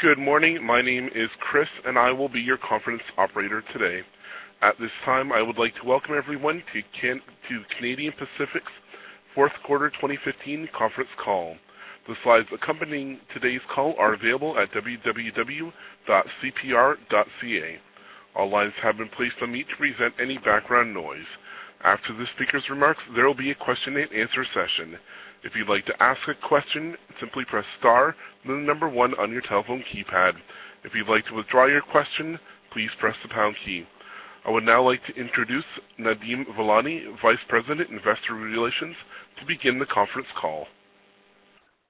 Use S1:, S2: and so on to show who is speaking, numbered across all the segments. S1: Good morning. My name is Chris, and I will be your conference operator today. At this time, I would like to welcome everyone to Canadian Pacific's fourth quarter 2015 conference call. The slides accompanying today's call are available at www.cpr.ca. All lines have been placed on mute to prevent any background noise. After the speaker's remarks, there will be a question-and-answer session. If you'd like to ask a question, simply press star, then the number one on your telephone keypad. If you'd like to withdraw your question, please press the pound key. I would now like to introduce Nadeem Velani, Vice President, Investor Relations, to begin the conference call.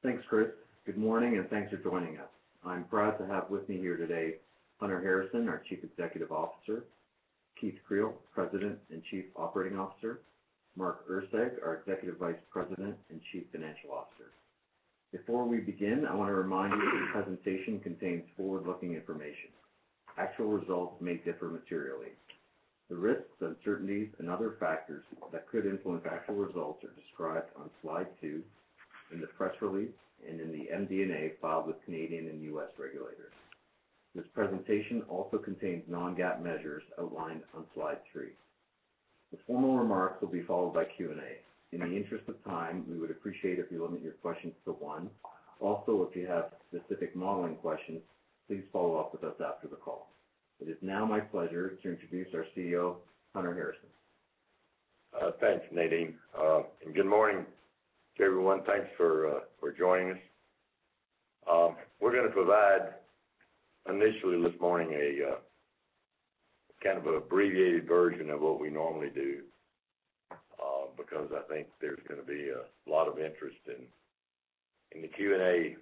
S2: Thanks, Chris. Good morning, and thanks for joining us. I'm proud to have with me here today, Hunter Harrison, our Chief Executive Officer, Keith Creel, President and Chief Operating Officer, Mark Erceg, our Executive Vice President and Chief Financial Officer. Before we begin, I want to remind you that this presentation contains forward-looking information. Actual results may differ materially. The risks, uncertainties, and other factors that could influence actual results are described on slide 2 in the press release and in the MD&A filed with Canadian and U.S. regulators. This presentation also contains non-GAAP measures outlined on slide 3. The formal remarks will be followed by Q&A. In the interest of time, we would appreciate if you limit your questions to one. Also, if you have specific modeling questions, please follow up with us after the call. It is now my pleasure to introduce our CEO, Hunter Harrison.
S3: Thanks, Nadeem. And good morning to everyone. Thanks for joining us. We're gonna provide initially this morning a kind of an abbreviated version of what we normally do, because I think there's gonna be a lot of interest in the Q&A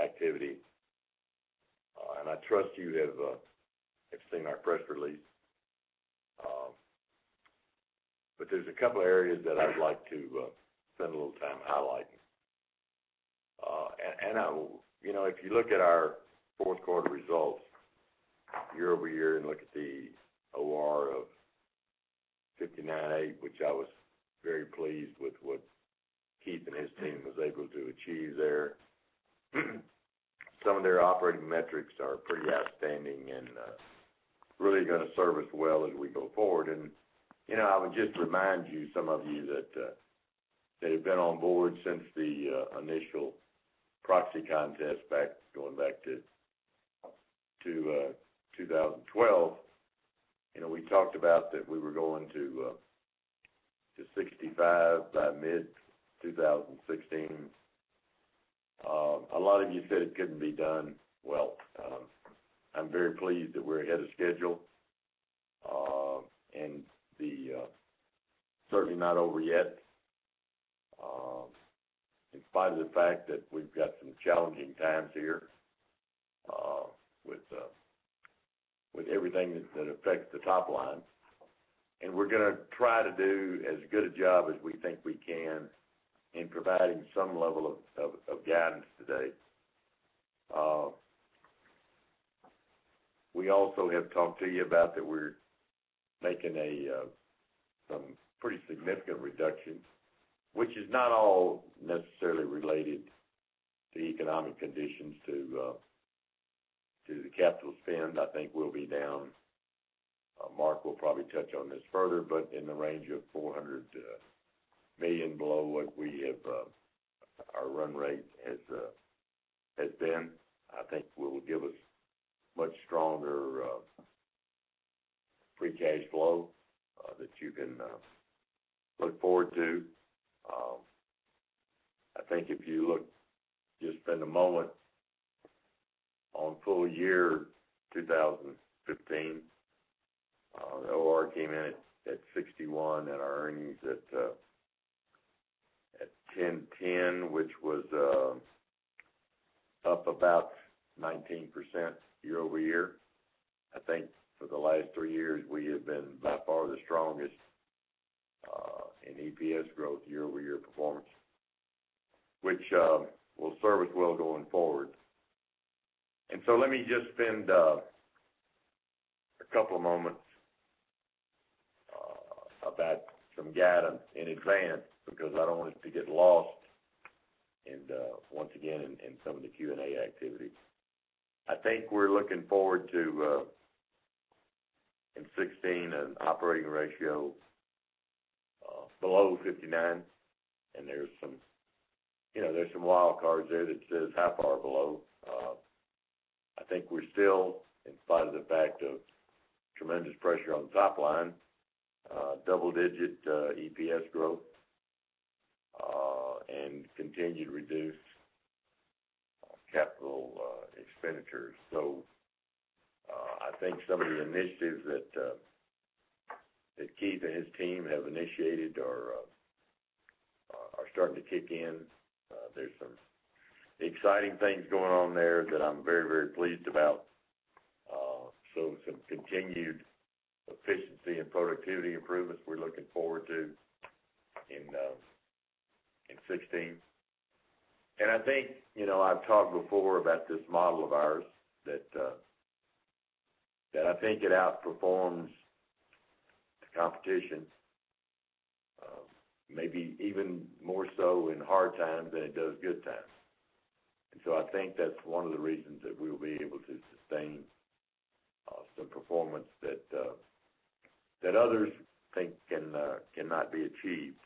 S3: activity. And I trust you have seen our press release. But there's a couple of areas that I'd like to spend a little time highlighting. And I... You know, if you look at our fourth quarter results year-over-year and look at the OR of 59.8, which I was very pleased with what Keith and his team was able to achieve there. Some of their operating metrics are pretty outstanding and really gonna serve us well as we go forward. And, you know, I would just remind you, some of you that, that have been on board since the, initial proxy contest back, going back to, to, 2012. You know, we talked about that we were going to, to 65 by mid-2016. A lot of you said it couldn't be done. Well, I'm very pleased that we're ahead of schedule, and the, certainly not over yet. In spite of the fact that we've got some challenging times here, with, with everything that, that affects the top line. And we're gonna try to do as good a job as we think we can in providing some level of, of, of guidance today. We also have talked to you about that we're making a some pretty significant reductions, which is not all necessarily related to economic conditions to, to the capital spend. I think we'll be down, Mark will probably touch on this further, but in the range of $400 million below what we have, our run rate has, has been. I think will give us much stronger, free cash flow, that you can, look forward to. I think if you look, just spend a moment on full year 2015, the OR came in at 61% and our earnings at $10.10, which was up about 19% year-over-year. I think for the last 3 years, we have been by far the strongest in EPS growth year-over-year performance, which will serve us well going forward. So let me just spend a couple of moments about some guidance in advance, because I don't want it to get lost in once again in some of the Q&A activity. I think we're looking forward to in 2016 an operating ratio below 59, and there's some, you know, there's some wild cards there that says how far below? I think we're still, in spite of the fact of tremendous pressure on the top line, double-digit EPS growth, and continued reduced capital expenditures. So I think some of the initiatives that Keith and his team have initiated are starting to kick in. There's some exciting things going on there that I'm very, very pleased about. So some continued efficiency and productivity improvements we're looking forward to in 2016. I think, you know, I've talked before about this model of ours, that I think it outperforms the competition... maybe even more so in hard times than it does good times. So I think that's one of the reasons that we will be able to sustain some performance that others think cannot be achieved.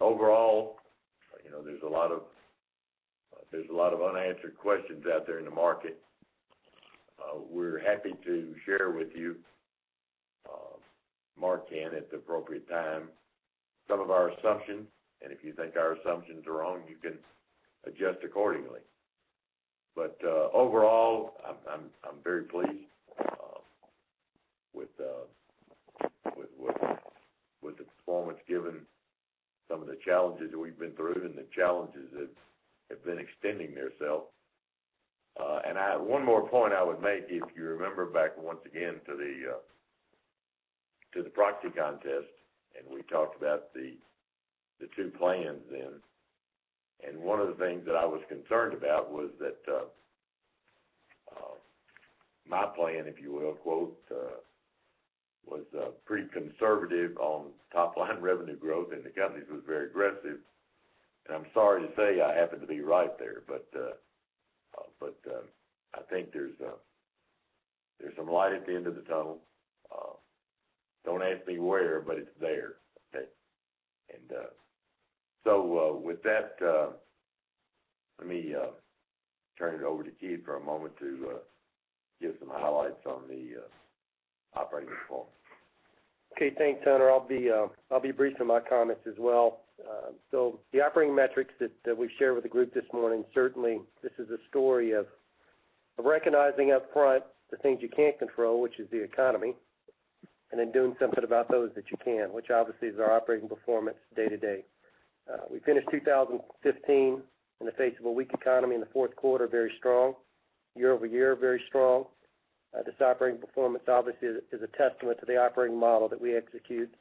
S3: Overall, you know, there's a lot of, there's a lot of unanswered questions out there in the market. We're happy to share with you, Mark can, at the appropriate time, some of our assumptions, and if you think our assumptions are wrong, you can adjust accordingly. But overall, I'm very pleased with the performance, given some of the challenges that we've been through and the challenges that have been extending themselves. And one more point I would make, if you remember back once again to the proxy contest, and we talked about the two plans then. And one of the things that I was concerned about was that my plan, if you will, quote, was pretty conservative on top line revenue growth, and the company's was very aggressive. And I'm sorry to say, I happen to be right there. But I think there's some light at the end of the tunnel. Don't ask me where, but it's there, okay? With that, let me turn it over to Keith for a moment to give some highlights on the operating performance.
S4: Okay, thanks, Hunter. I'll be brief in my comments as well. So the operating metrics that that we've shared with the group this morning, certainly this is a story of recognizing upfront the things you can't control, which is the economy, and then doing something about those that you can, which obviously is our operating performance day to day. We finished 2015 in the face of a weak economy in the fourth quarter, very strong. Year-over-year, very strong. This operating performance obviously is a testament to the operating model that we execute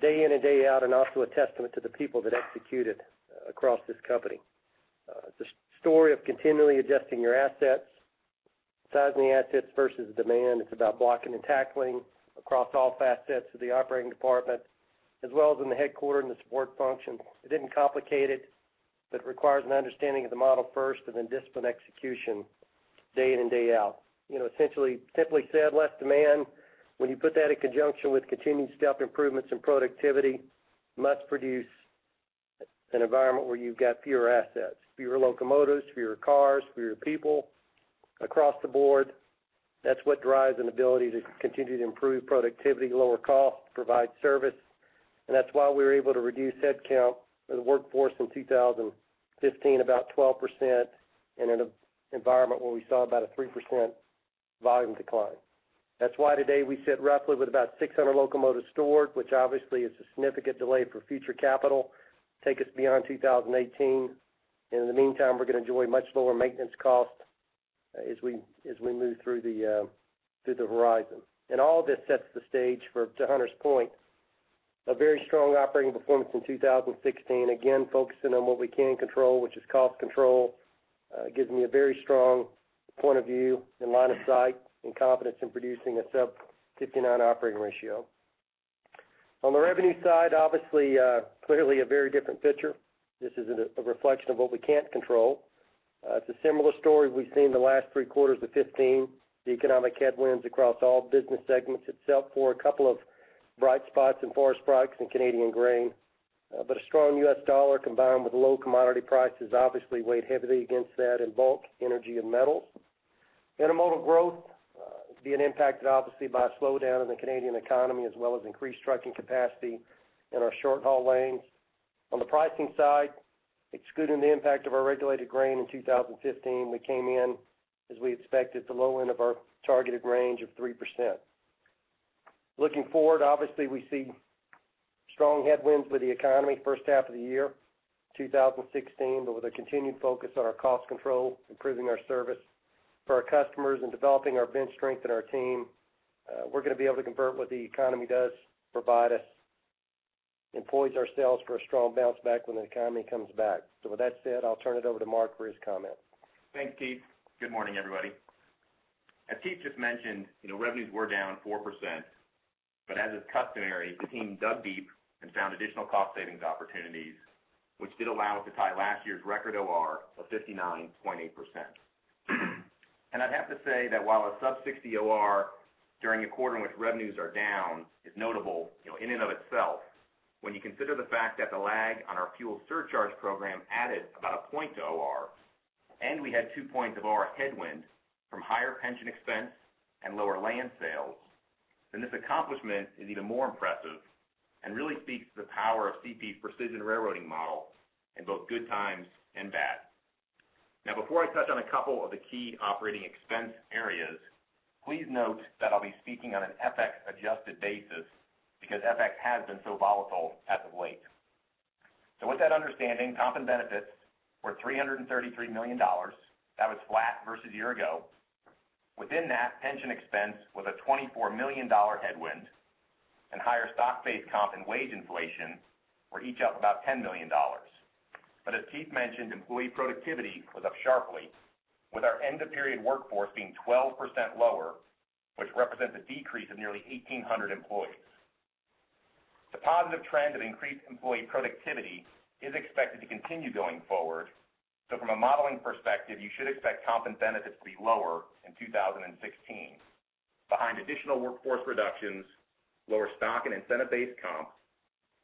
S4: day in and day out, and also a testament to the people that execute it across this company. It's a story of continually adjusting your assets, sizing the assets versus demand. It's about blocking and tackling across all facets of the operating department, as well as in the headquarters and the support function. It isn't complicated, but it requires an understanding of the model first, and then disciplined execution, day in and day out. You know, essentially, simply said, less demand. When you put that in conjunction with continued step improvements in productivity, must produce an environment where you've got fewer assets, fewer locomotives, fewer cars, fewer people across the board. That's what drives an ability to continue to improve productivity, lower costs, provide service, and that's why we were able to reduce headcount in the workforce in 2015, about 12%, in an environment where we saw about a 3% volume decline. That's why today we sit roughly with about 600 locomotives stored, which obviously is a significant delay for future capital, take us beyond 2018. In the meantime, we're going to enjoy much lower maintenance costs as we move through the horizon. And all this sets the stage for, to Hunter's point, a very strong operating performance in 2016. Again, focusing on what we can control, which is cost control, gives me a very strong point of view and line of sight and confidence in producing a sub-59 operating ratio. On the revenue side, obviously, clearly a very different picture. This is a reflection of what we can't control. It's a similar story we've seen in the last three quarters of 2015. The economic headwinds across all business segments itself for a couple of bright spots in forest products and Canadian grain. But a strong U.S. dollar, combined with low commodity prices, obviously weighed heavily against that in bulk, energy, and metals. Intermodal growth, being impacted obviously by a slowdown in the Canadian economy, as well as increased trucking capacity in our short-haul lanes. On the pricing side, excluding the impact of our regulated grain in 2015, we came in, as we expected, the low end of our targeted range of 3%. Looking forward, obviously, we see strong headwinds with the economy first half of the year, 2016, but with a continued focus on our cost control, improving our service for our customers, and developing our bench strength in our team, we're going to be able to convert what the economy does provide us, employs ourselves for a strong bounce back when the economy comes back. So with that said, I'll turn it over to Mark for his comment.
S5: Thanks, Keith. Good morning, everybody. As Keith just mentioned, you know, revenues were down 4%, but as is customary, the team dug deep and found additional cost savings opportunities, which did allow us to tie last year's record OR of 59.8%. And I'd have to say that while a sub sixty OR during a quarter in which revenues are down is notable, you know, in and of itself, when you consider the fact that the lag on our fuel surcharge program added about a point to OR, and we had 2 points of OR headwind from higher pension expense and lower land sales, then this accomplishment is even more impressive and really speaks to the power of CP's Precision Railroading model in both good times and bad. Now, before I touch on a couple of the key operating expense areas, please note that I'll be speaking on an FX-adjusted basis because FX has been so volatile as of late. So with that understanding, comp and benefits were $333 million. That was flat versus a year ago. Within that, pension expense was a $24 million headwind, and higher stock-based comp and wage inflation were each up about $10 million. ...as Keith mentioned, employee productivity was up sharply, with our end-of-period workforce being 12% lower, which represents a decrease of nearly 1,800 employees. The positive trend of increased employee productivity is expected to continue going forward. From a modeling perspective, you should expect comp and benefits to be lower in 2016, behind additional workforce reductions, lower stock and incentive-based comp,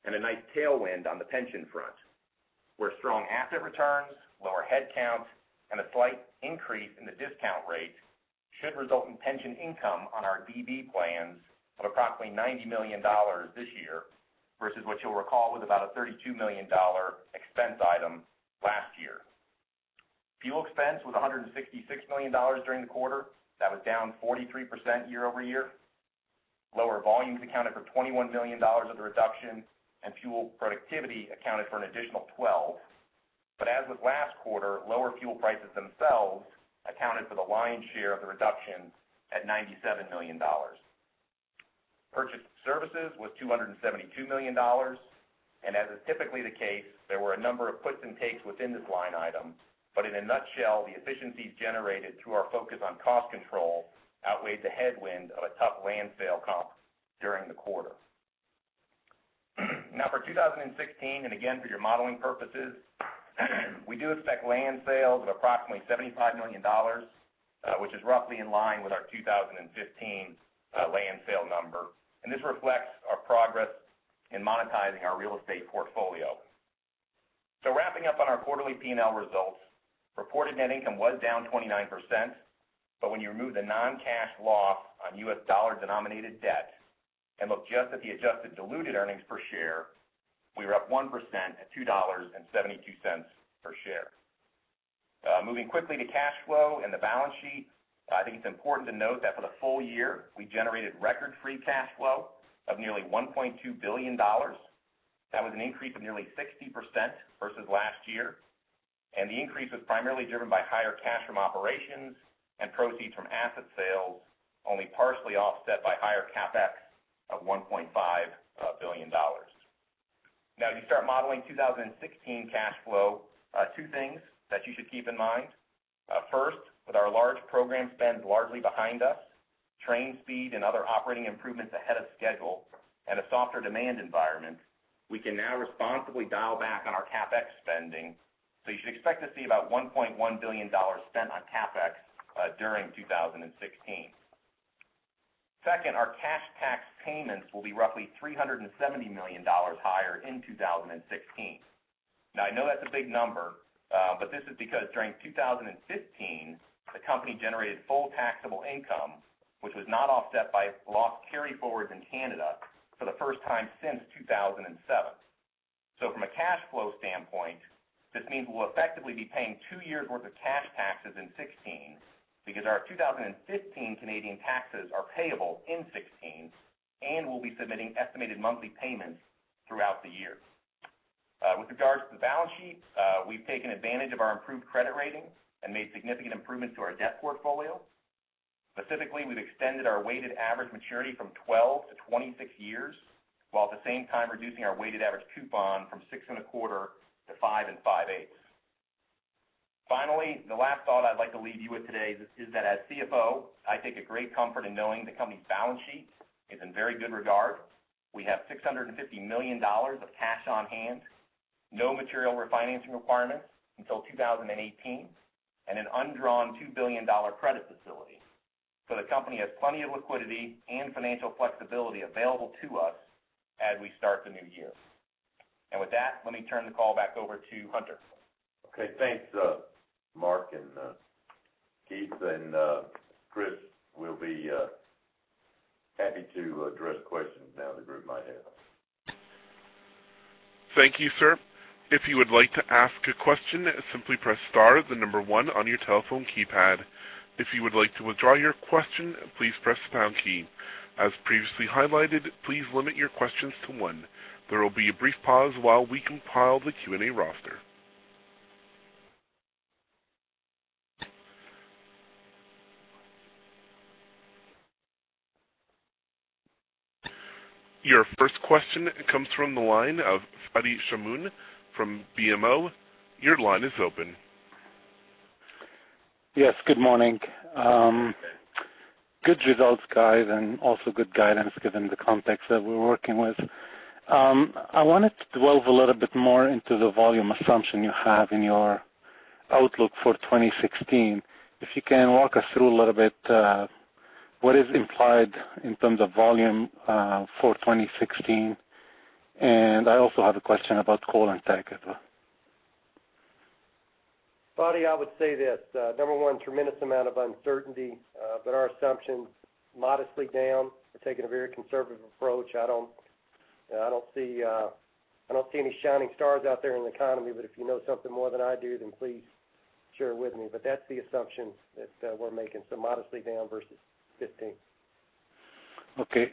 S5: and a nice tailwind on the pension front, where strong asset returns, lower headcount, and a slight increase in the discount rate should result in pension income on our DB plans of approximately $90 million this year, versus what you'll recall was about a $32 million expense item last year. Fuel expense was $166 million during the quarter. That was down 43% year-over-year. Lower volumes accounted for $21 million of the reduction, and fuel productivity accounted for an additional 12. But as with last quarter, lower fuel prices themselves accounted for the lion's share of the reductions at $97 million. Purchased services was $272 million, and as is typically the case, there were a number of puts and takes within this line item. But in a nutshell, the efficiencies generated through our focus on cost control outweighed the headwind of a tough land sale comp during the quarter. Now for 2016, and again, for your modeling purposes, we do expect land sales of approximately $75 million, which is roughly in line with our 2015 land sale number. And this reflects our progress in monetizing our real estate portfolio. So wrapping up on our quarterly P&L results, reported net income was down 29%, but when you remove the non-cash loss on US dollar-denominated debt and look just at the adjusted diluted earnings per share, we were up 1% at $2.72 per share. Moving quickly to cash flow and the balance sheet, I think it's important to note that for the full year, we generated record free cash flow of nearly $1.2 billion. That was an increase of nearly 60% versus last year, and the increase was primarily driven by higher cash from operations and proceeds from asset sales, only partially offset by higher CapEx of $1.5 billion. Now, as you start modeling 2016 cash flow, two things that you should keep in mind. First, with our large program spend largely behind us, train speed and other operating improvements ahead of schedule, and a softer demand environment, we can now responsibly dial back on our CapEx spending. So you should expect to see about $1.1 billion spent on CapEx during 2016. Second, our cash tax payments will be roughly $370 million higher in 2016. Now, I know that's a big number, but this is because during 2015, the company generated full taxable income, which was not offset by loss carryforwards in Canada for the first time since 2007. So from a cash flow standpoint, this means we'll effectively be paying two years worth of cash taxes in 2016, because our 2015 Canadian taxes are payable in 2016, and we'll be submitting estimated monthly payments throughout the year. With regards to the balance sheet, we've taken advantage of our improved credit rating and made significant improvements to our debt portfolio. Specifically, we've extended our weighted average maturity from 12 to 26 years, while at the same time reducing our weighted average coupon from 6.25 to 5.625. Finally, the last thought I'd like to leave you with today is that as CFO, I take a great comfort in knowing the company's balance sheet is in very good regard. We have $650 million of cash on hand, no material refinancing requirements until 2018, and an undrawn $2 billion credit facility. So the company has plenty of liquidity and financial flexibility available to us as we start the new year. And with that, let me turn the call back over to Hunter.
S3: Okay, thanks, Mark and Keith and Chris, we'll be happy to address questions now the group might have.
S1: Thank you, sir. If you would like to ask a question, simply press star, the number one on your telephone keypad. If you would like to withdraw your question, please press the pound key. As previously highlighted, please limit your questions to one. There will be a brief pause while we compile the Q&A roster. Your first question comes from the line of Fadi Chamoun from BMO. Your line is open.
S6: Yes, good morning. Good results, guys, and also good guidance, given the context that we're working with. I wanted to delve a little bit more into the volume assumption you have in your outlook for 2016. If you can walk us through a little bit, what is implied in terms of volume, for 2016? And I also have a question about coal and Teck as well.
S4: Fadi, I would say that, number one, tremendous amount of uncertainty, but our assumptions, modestly down. We're taking a very conservative approach. I don't, I don't see, I don't see any shining stars out there in the economy, but if you know something more than I do, then please share it with me. But that's the assumption that, we're making, so modestly down versus 2015.
S6: Okay.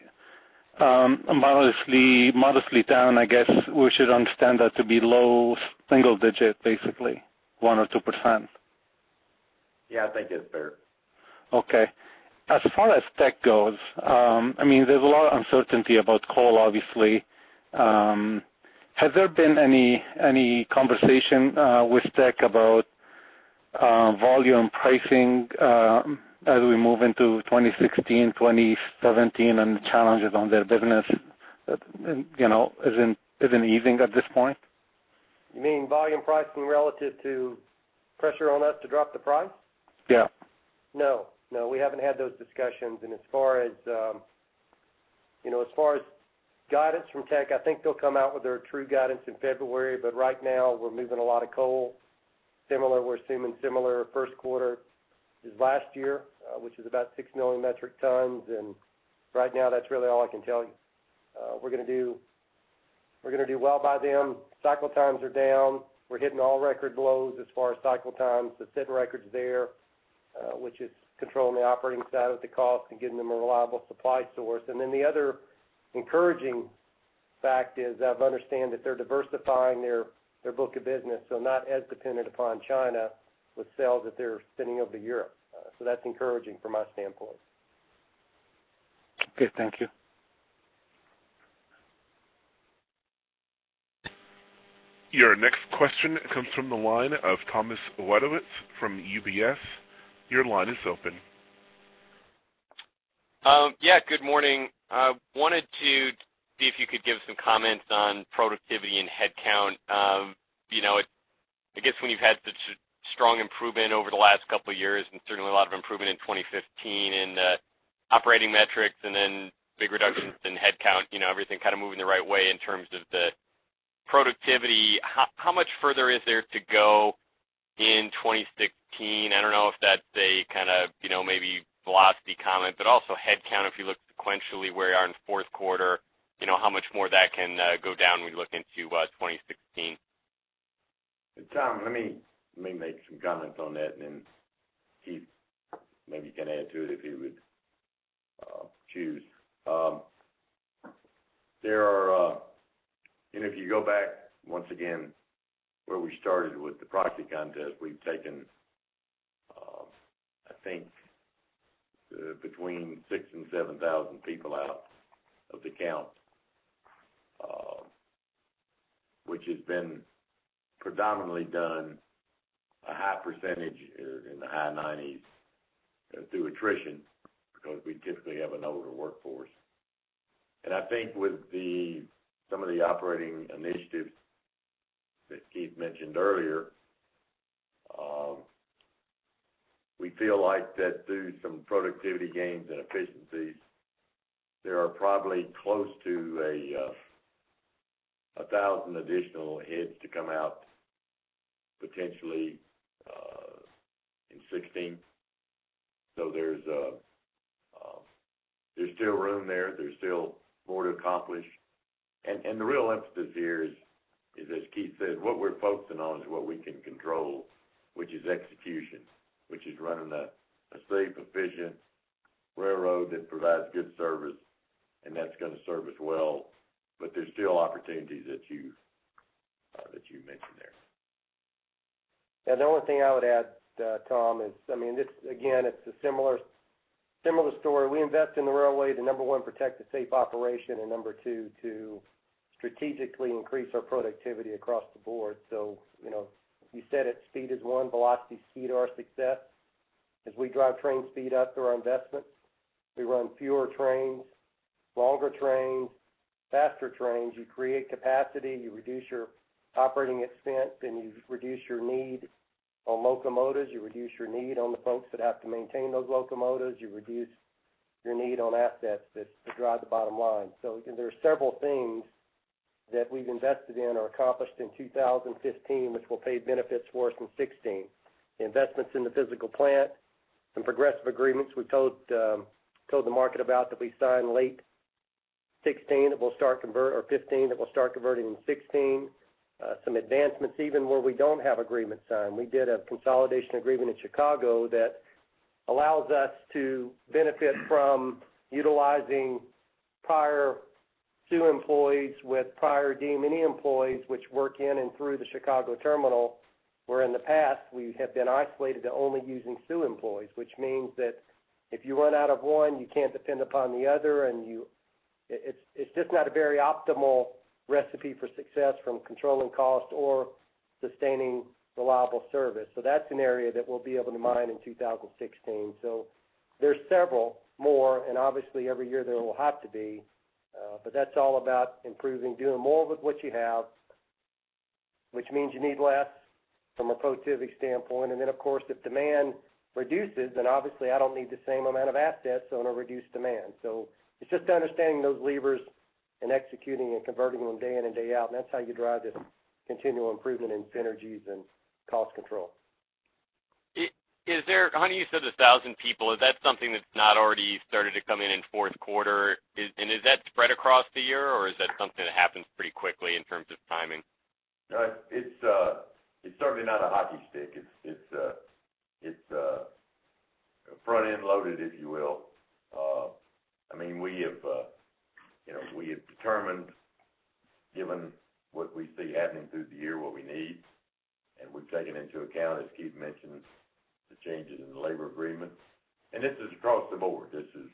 S6: Modestly, modestly down, I guess we should understand that to be low single digit, basically, 1 or 2%?...
S4: Yeah, I think it's fair.
S6: Okay. As far as Teck goes, I mean, there's a lot of uncertainty about coal, obviously. Has there been any conversation with Teck about volume pricing as we move into 2016, 2017, and the challenges on their business? You know, is it easing at this point?
S4: You mean volume pricing relative to pressure on us to drop the price?
S6: Yeah.
S4: No, no, we haven't had those discussions. As far as, you know, as far as guidance from Teck, I think they'll come out with their true guidance in February, but right now we're moving a lot of coal. Similar, we're assuming similar first quarter as last year, which is about 6 million metric tons, and right now, that's really all I can tell you. We're gonna do, we're gonna do well by them. Cycle times are down. We're hitting all record lows as far as cycle times. The service record's there, which is controlling the operating side of the cost and giving them a reliable supply source. And then the other encouraging fact is I understand that they're diversifying their, their book of business, so not as dependent upon China with sales that they're sending over to Europe. So that's encouraging from my standpoint.
S6: Okay, thank you.
S1: Your next question comes from the line of Thomas Wadewitz from UBS. Your line is open.
S7: Yeah, good morning. I wanted to see if you could give some comments on productivity and headcount. You know, I guess when you've had such strong improvement over the last couple of years, and certainly a lot of improvement in 2015 in the operating metrics and then big reductions in headcount, you know, everything kind of moving the right way in terms of the productivity. How, how much further is there to go in 2016? I don't know if that's a kind of, you know, maybe velocity comment, but also headcount, if you look sequentially, where you are in the fourth quarter, you know, how much more that can go down when you look into 2016.
S3: Tom, let me make some comments on that, and then Keith maybe can add to it if he would choose. There are. If you go back once again where we started with the proxy contest, we've taken, I think, between 6,000 and 7,000 people out of the count, which has been predominantly done a high percentage in the high 90s through attrition, because we typically have an older workforce. I think with some of the operating initiatives that Keith mentioned earlier, we feel like that through some productivity gains and efficiencies, there are probably close to a 1,000 additional heads to come out potentially in 2016. So there's still room there. There's still more to accomplish. And the real emphasis here is, as Keith said, what we're focusing on is what we can control, which is execution, which is running a safe, efficient railroad that provides good service, and that's gonna serve us well, but there's still opportunities that you, that you mentioned there.
S4: The only thing I would add, Tom, is, I mean, this, again, it's a similar, similar story. We invest in the railway to, 1, protect the safe operation, and 2, to strategically increase our productivity across the Board. So, you know, you said it, speed is one. Velocity, speed are our success. As we drive train speed up through our investments, we run fewer trains, longer trains, faster trains. You create capacity, you reduce your operating expense, and you reduce your need on locomotives. You reduce your need on the folks that have to maintain those locomotives. You reduce your need on assets that drive the bottom line. So there are several things that we've invested in or accomplished in 2015, which will pay benefits for us in 2016. Investments in the physical plant, some progressive agreements we told the market about that we signed late 2016, or 2015, that will start converting in 2016. Some advancements even where we don't have agreements signed. We did a consolidation agreement in Chicago that allows us to benefit from utilizing prior Soo employees with prior DM&E employees, which work in and through the Chicago terminal, where in the past, we have been isolated to only using Soo employees, which means that if you run out of one, you can't depend upon the other. It's just not a very optimal recipe for success from controlling cost or sustaining reliable service. So that's an area that we'll be able to mine in 2016. So there's several more, and obviously, every year there will have to be, but that's all about improving, doing more with what you have, which means you need less from a productivity standpoint. And then, of course, if demand reduces, then obviously I don't need the same amount of assets on a reduced demand. So it's just understanding those levers and executing and converting them day in and day out. And that's how you drive this continual improvement in synergies and cost control.
S7: Is there, Hunter, you said 1,000 people. Is that something that's not already started to come in in fourth quarter? And is that spread across the year, or is that something that happens pretty quickly in terms of timing?
S3: It's certainly not a hockey stick. It's front end loaded, if you will. I mean, we have, you know, we have determined, given what we see happening through the year, what we need, and we've taken into account, as Keith mentioned, the changes in the labor agreement. And this is across the board. This is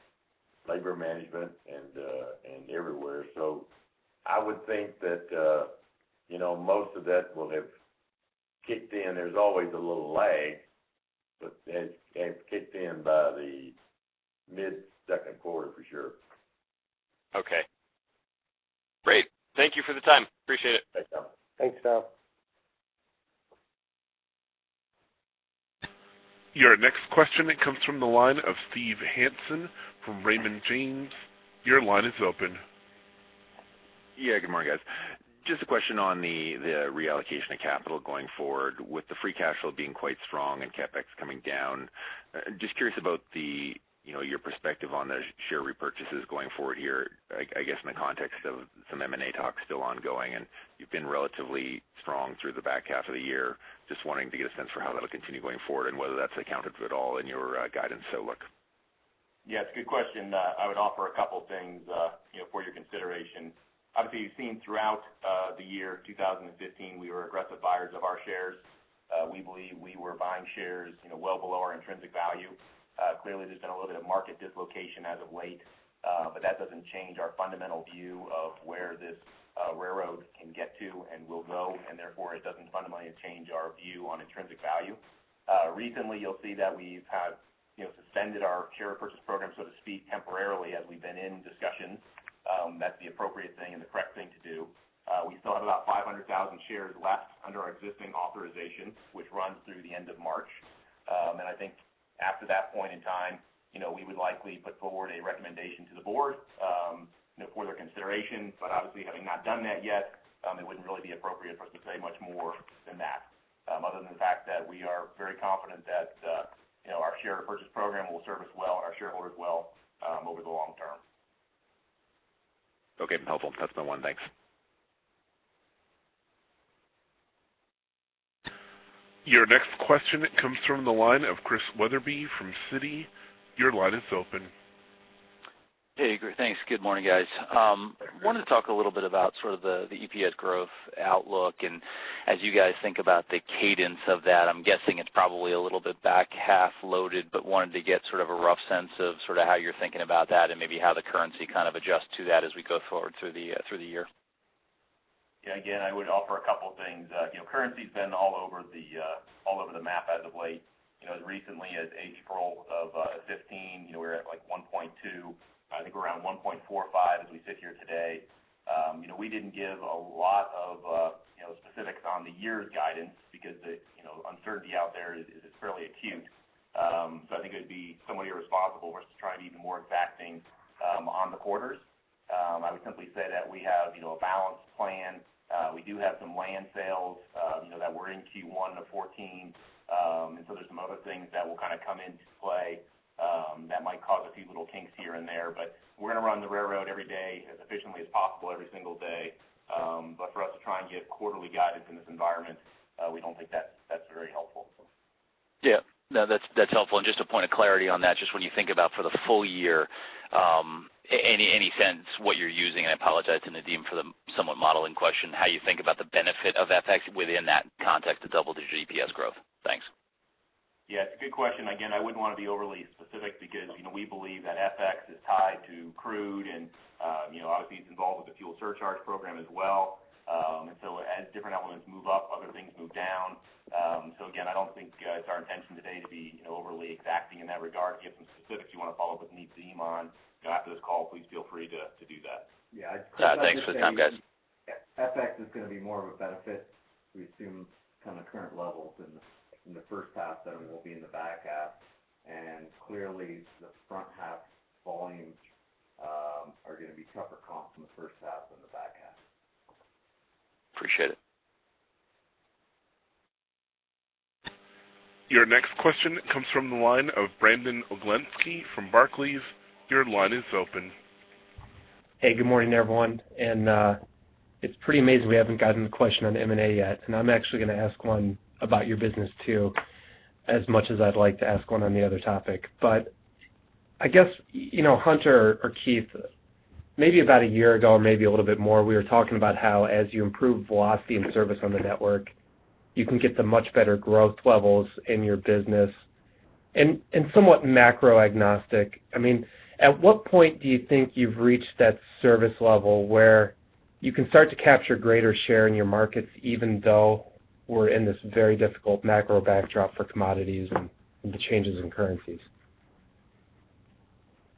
S3: labor management and, and everywhere. So I would think that, you know, most of that will have kicked in. There's always a little lag, but it's kicked in by the mid-second quarter, for sure.
S7: Okay. Great. Thank you for the time. Appreciate it.
S3: Thanks, Tom.
S4: Thanks, Tom.
S1: Your next question comes from the line of Steve Hansen from Raymond James. Your line is open.
S8: Yeah, good morning, guys. Just a question on the reallocation of capital going forward. With the free cash flow being quite strong and CapEx coming down, just curious about the, you know, your perspective on the share repurchases going forward here, I guess, in the context of some M&A talks still ongoing, and you've been relatively strong through the back half of the year. Just wanting to get a sense for how that'll continue going forward and whether that's accounted for at all in your guidance outlook.
S5: Yeah, it's a good question. I would offer a couple things, you know, for your consideration. Obviously, you've seen throughout the year 2015, we were aggressive buyers of our shares. We believe we were buying shares, you know, well below our intrinsic value. Clearly, there's been a little bit of market dislocation as of late, but that doesn't change our fundamental view of where this railroad can get to and will go, and therefore, it doesn't fundamentally change our view on intrinsic value. Recently, you'll see that we've had, you know, suspended our share repurchase program, so to speak, temporarily as we've been in discussions. That's the appropriate thing and the correct thing to do. We still have about 500,000 shares left under our existing authorization, which runs through the end of March. I think after that point in time, you know, we would likely put forward a recommendation to the Board for their consideration. Obviously, having not done that yet, it wouldn't really be appropriate for us to say much more than that, other than the fact that we are very confident that, you know, our share purchase program will serve us well and our shareholders well over the long term.
S8: Okay, helpful. That's my one. Thanks.
S1: Your next question comes from the line of Chris Wetherbee from Citi. Your line is open.
S9: Hey, great. Thanks. Good morning, guys. Wanted to talk a little bit about sort of the EPS growth outlook. And as you guys think about the cadence of that, I'm guessing it's probably a little bit back half loaded, but wanted to get sort of a rough sense of sort of how you're thinking about that and maybe how the currency kind of adjusts to that as we go forward through the year.
S5: Yeah, again, I would offer a couple of things. You know, currency's been all over the, all over the map as of late. You know, as recently as April of fifteen, you know, we're at, like, 1.2. I think we're around 1.4 or 5 as we sit here today. You know, we didn't give a lot of, you know, specifics on the year's guidance because the, you know, uncertainty out there is, is fairly acute. So I think it'd be somewhat irresponsible for us to try and be more exacting, on the quarters. I would simply say that we have, you know, a balanced plan. We do have some land sales, you know, that were in Q1 of fourteen. And so there's some other things that will kind of come into play, that might cause a few little kinks here and there, but we're going to run the railroad every day, as efficiently as possible, every single day. But for us to try and give quarterly guidance in this environment, we don't think that's very helpful, so.
S9: Yeah. No, that's, that's helpful. And just a point of clarity on that, just when you think about for the full year, any sense what you're using? I apologize to Nadeem for the somewhat modeling question. How you think about the benefit of FX within that context of double-digit EPS growth? Thanks.
S5: Yeah, it's a good question. Again, I wouldn't want to be overly specific because, you know, we believe that FX is tied to crude, and, you know, obviously, it's involved with the fuel surcharge program as well. And so as different elements move up, other things move down. So again, I don't think it's our intention today to be overly exacting in that regard. If you have some specifics, you want to follow up with me or Nadeem on, you know, after this call, please feel free to do that.
S3: Yeah, I'd-
S9: Thanks for the time, guys.
S3: FX is going to be more of a benefit. We assume kind of current levels in the first half than it will be in the back half. And clearly, the front half volumes are going to be tougher comps in the first half than the back half.
S9: Appreciate it.
S1: Your next question comes from the line of Brandon Oglenski from Barclays. Your line is open.
S10: Hey, good morning, everyone. It's pretty amazing we haven't gotten a question on M&A yet, and I'm actually going to ask one about your business, too, as much as I'd like to ask one on the other topic. But I guess, you know, Hunter or Keith, maybe about a year ago or maybe a little bit more, we were talking about how as you improve velocity and service on the network, you can get to much better growth levels in your business and, somewhat macro agnostic. I mean, at what point do you think you've reached that service level where you can start to capture greater share in your markets, even though we're in this very difficult macro backdrop for commodities and the changes in currencies?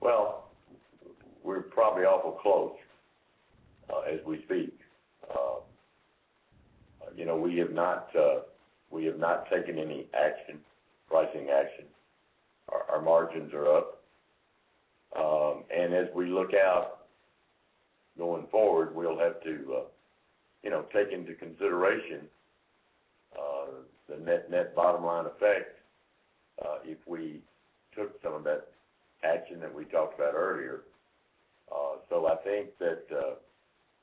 S3: Well, we're probably awfully close as we speak. You know, we have not, we have not taken any action, pricing action. Our, our margins are up. And as we look out going forward, we'll have to, you know, take into consideration the net-net bottom line effect if we took some of that action that we talked about earlier. So I think that,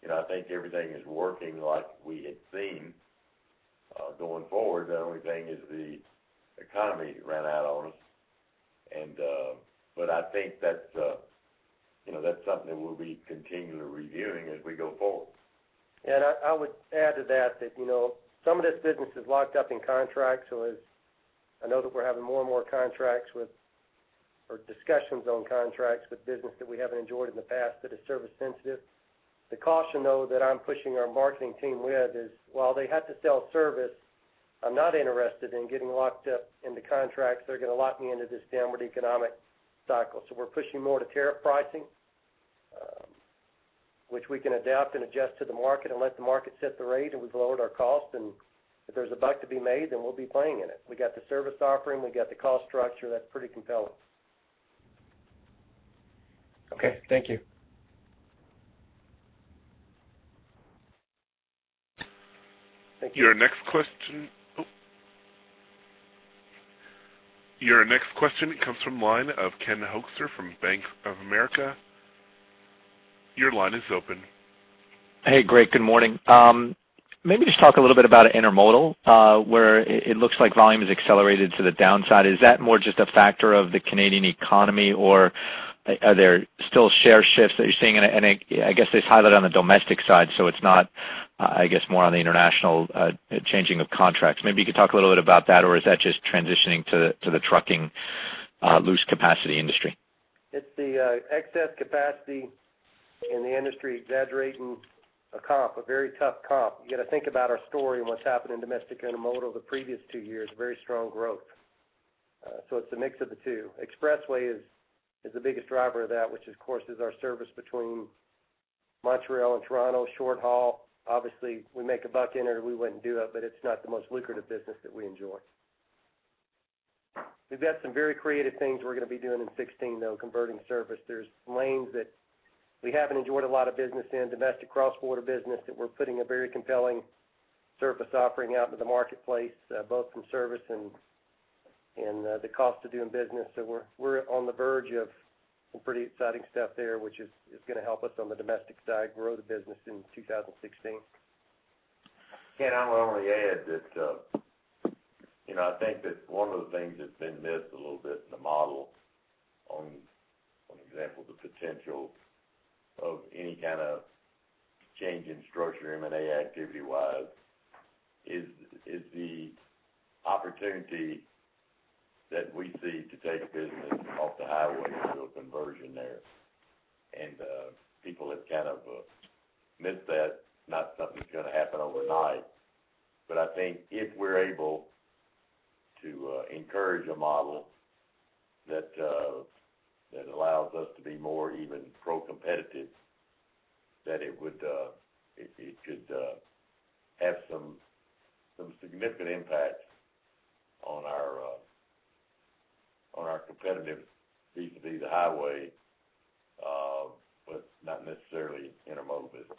S3: you know, I think everything is working like we had seen. Going forward, the only thing is the economy ran out on us. And, but I think that's, you know, that's something that we'll be continually reviewing as we go forward.
S4: And I would add to that, you know, some of this business is locked up in contracts, so as I know that we're having more and more contracts with, or discussions on contracts with business that we haven't enjoyed in the past that is service sensitive. The caution, though, that I'm pushing our marketing team with is, while they have to sell service, I'm not interested in getting locked up into contracts that are going to lock me into this downward economic cycle. So we're pushing more to tariff pricing, which we can adapt and adjust to the market and let the market set the rate, and we've lowered our cost. And if there's a buck to be made, then we'll be playing in it. We got the service offering, we got the cost structure. That's pretty compelling.
S10: Okay. Thank you.
S3: Thank you.
S1: Your next question... Oh. Your next question comes from the line of Ken Hoexter from Bank of America. Your line is open.
S11: Hey, great. Good morning. Maybe just talk a little bit about intermodal, where it looks like volume has accelerated to the downside. Is that more just a factor of the Canadian economy, or are there still share shifts that you're seeing? And I guess it's highlighted on the domestic side, so it's not more on the international changing of contracts. Maybe you could talk a little bit about that, or is that just transitioning to the trucking loose capacity industry?
S4: It's the excess capacity in the industry exaggerating a comp, a very tough comp. You got to think about our story and what's happened in domestic intermodal the previous 2 years, very strong growth. So it's a mix of the two. Expressway is the biggest driver of that, which, of course, is our service between Montreal and Toronto, short haul. Obviously, if we make a buck in it, we wouldn't do it, but it's not the most lucrative business that we enjoy. We've got some very creative things we're going to be doing in 2016, though, converting service. There's lanes that we haven't enjoyed a lot of business in, domestic cross-border business, that we're putting a very compelling service offering out to the marketplace, both from service and the cost of doing business. So we're on the verge of some pretty exciting stuff there, which is going to help us on the domestic side grow the business in 2016.
S3: Ken, I would only add that, you know, I think that one of the things that's been missed a little bit in the model, for example, the potential of any kind of change in structure, M&A activity-wise, is the opportunity that we see to take business off the highway through a conversion there. People have kind of missed that. Not something that's going to happen overnight, but I think if we're able to encourage a model that allows us to be more even pro-competitive, that it would, it could have some significant impacts on our competitive, vis-a-vis the highway, but not necessarily intermodal business.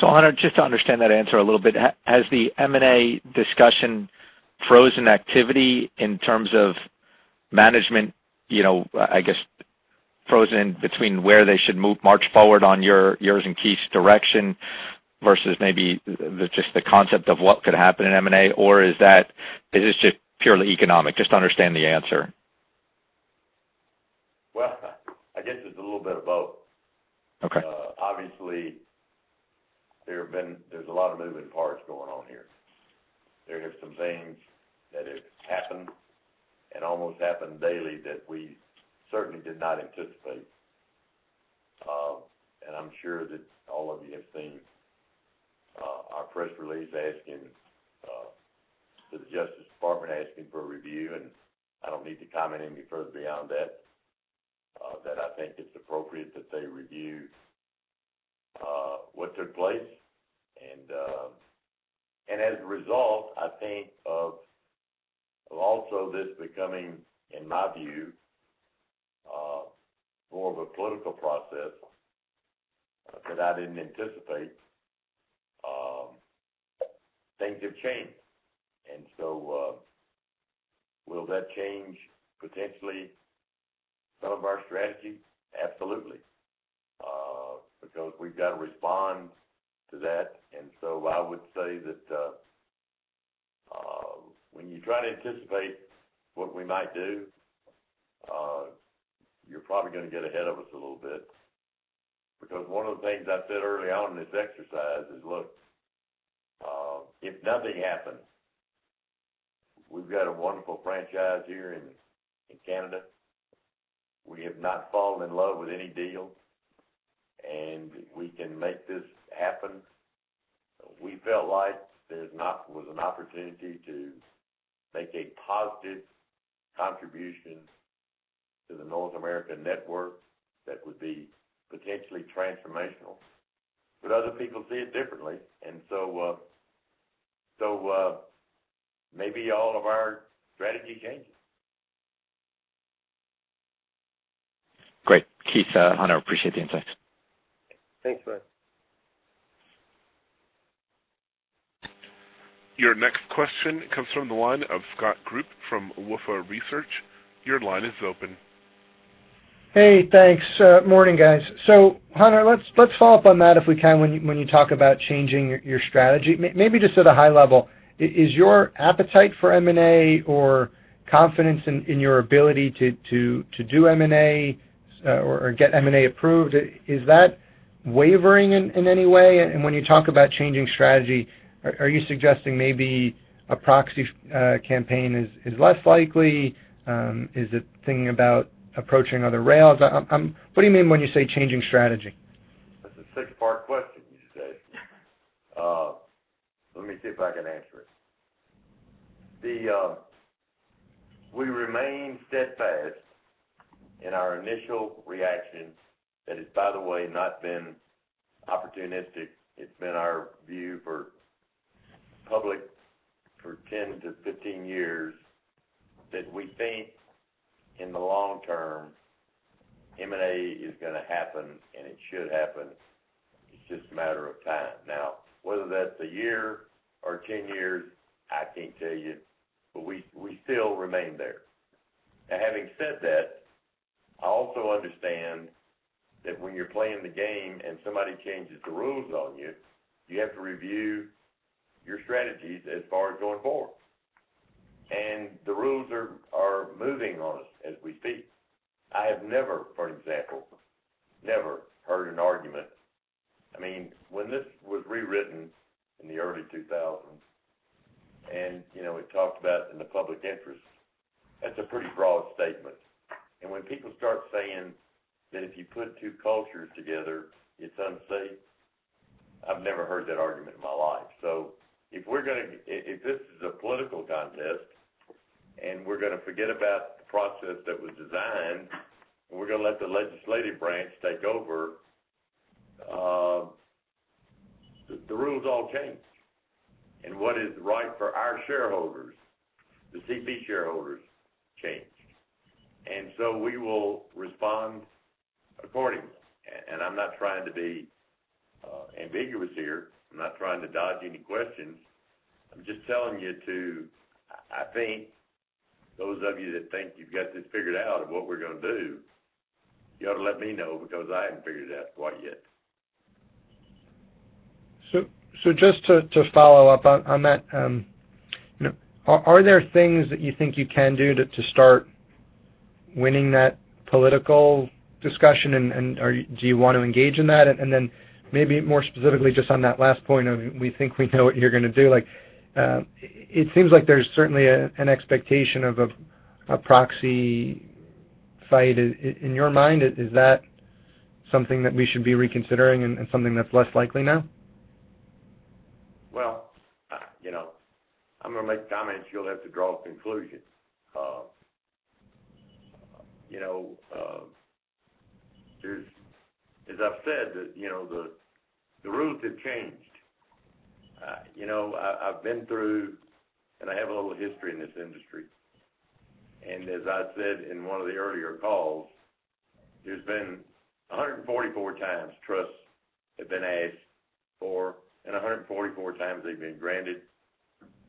S11: So Hunter, just to understand that answer a little bit, has the M&A discussion frozen activity in terms of management, you know, I guess, frozen between where they should move, march forward on yours and Keith's direction versus maybe the, just the concept of what could happen in M&A? Or is that, is this just purely economic? Just to understand the answer.
S3: Well, I guess it's a little bit of both.
S11: Okay.
S3: Obviously, there have been... There's a lot of moving parts going on here. There have some things that have happened and almost happen daily that we certainly did not anticipate. And I'm sure that all of you have seen our press release asking to the Justice Department, asking for a review, and I don't need to comment any further beyond that, that I think it's appropriate that they review what took place. And as a result, I think of also this becoming, in my view, more of a political process that I didn't anticipate, things have changed. And so, will that change potentially some of our strategy? Absolutely, because we've got to respond to that. I would say that, when you try to anticipate what we might do, you're probably going to get ahead of us a little bit. Because one of the things I said early on in this exercise is, look, if nothing happens, we've got a wonderful franchise here in Canada. We have not fallen in love with any deal, and we can make this happen. We felt like there was an opportunity to make a positive contribution to the North American network that would be potentially transformational, but other people see it differently. So, maybe all of our strategy changes.
S11: Great. Keith, Hunter, appreciate the insight.
S3: Thanks, Ken.
S1: Your next question comes from the line of Scott Group from Wolfe Research. Your line is open.
S12: Hey, thanks. Morning, guys. So Hunter, let's follow up on that if we can, when you talk about changing your strategy. Maybe just at a high level, is your appetite for M&A or confidence in your ability to do M&A or get M&A approved, is that wavering in any way? And when you talk about changing strategy, are you suggesting maybe a proxy campaign is less likely? Is it thinking about approaching other rails? I'm... What do you mean when you say changing strategy?
S3: That's a six-part question you said. Let me see if I can answer it. The, we remain steadfast in our initial reaction. That has, by the way, not been opportunistic. It's been our view for public for 10-15 years, that we think in the long term, M&A is gonna happen, and it should happen. It's just a matter of time. Now, whether that's a year or 10 years, I can't tell you, but we still remain there. Now, having said that, I also understand that when you're playing the game and somebody changes the rules on you, you have to review your strategies as far as going forward. And the rules are moving on us as we speak. I have never, for example, never heard an argument. I mean, when this was rewritten in the early 2000, and, you know, it talked about in the public interest, that's a pretty broad statement. And when people start saying that if you put two cultures together, it's unsafe, I've never heard that argument in my life. So if this is a political contest, and we're gonna forget about the process that was designed, and we're gonna let the legislative branch take over, the rules all change. And what is right for our shareholders, the CP shareholders, change. And so we will respond accordingly. And I'm not trying to be ambiguous here. I'm not trying to dodge any questions. I'm just telling you to... I think those of you that think you've got this figured out of what we're gonna do, you ought to let me know, because I haven't figured it out quite yet.
S12: So, just to follow up on that, you know, are there things that you think you can do to start winning that political discussion, and are you do you want to engage in that? And then maybe more specifically, just on that last point of, we think we know what you're gonna do. Like, it seems like there's certainly an expectation of a proxy fight. In your mind, is that something that we should be reconsidering and something that's less likely now?
S3: Well, you know, I'm gonna make comments, you'll have to draw conclusions. You know, there's as I've said, you know, the rules have changed. You know, I've been through, and I have a little history in this industry. And as I said in one of the earlier calls, there's been 144 times trusts have been asked for, and 144 times they've been granted.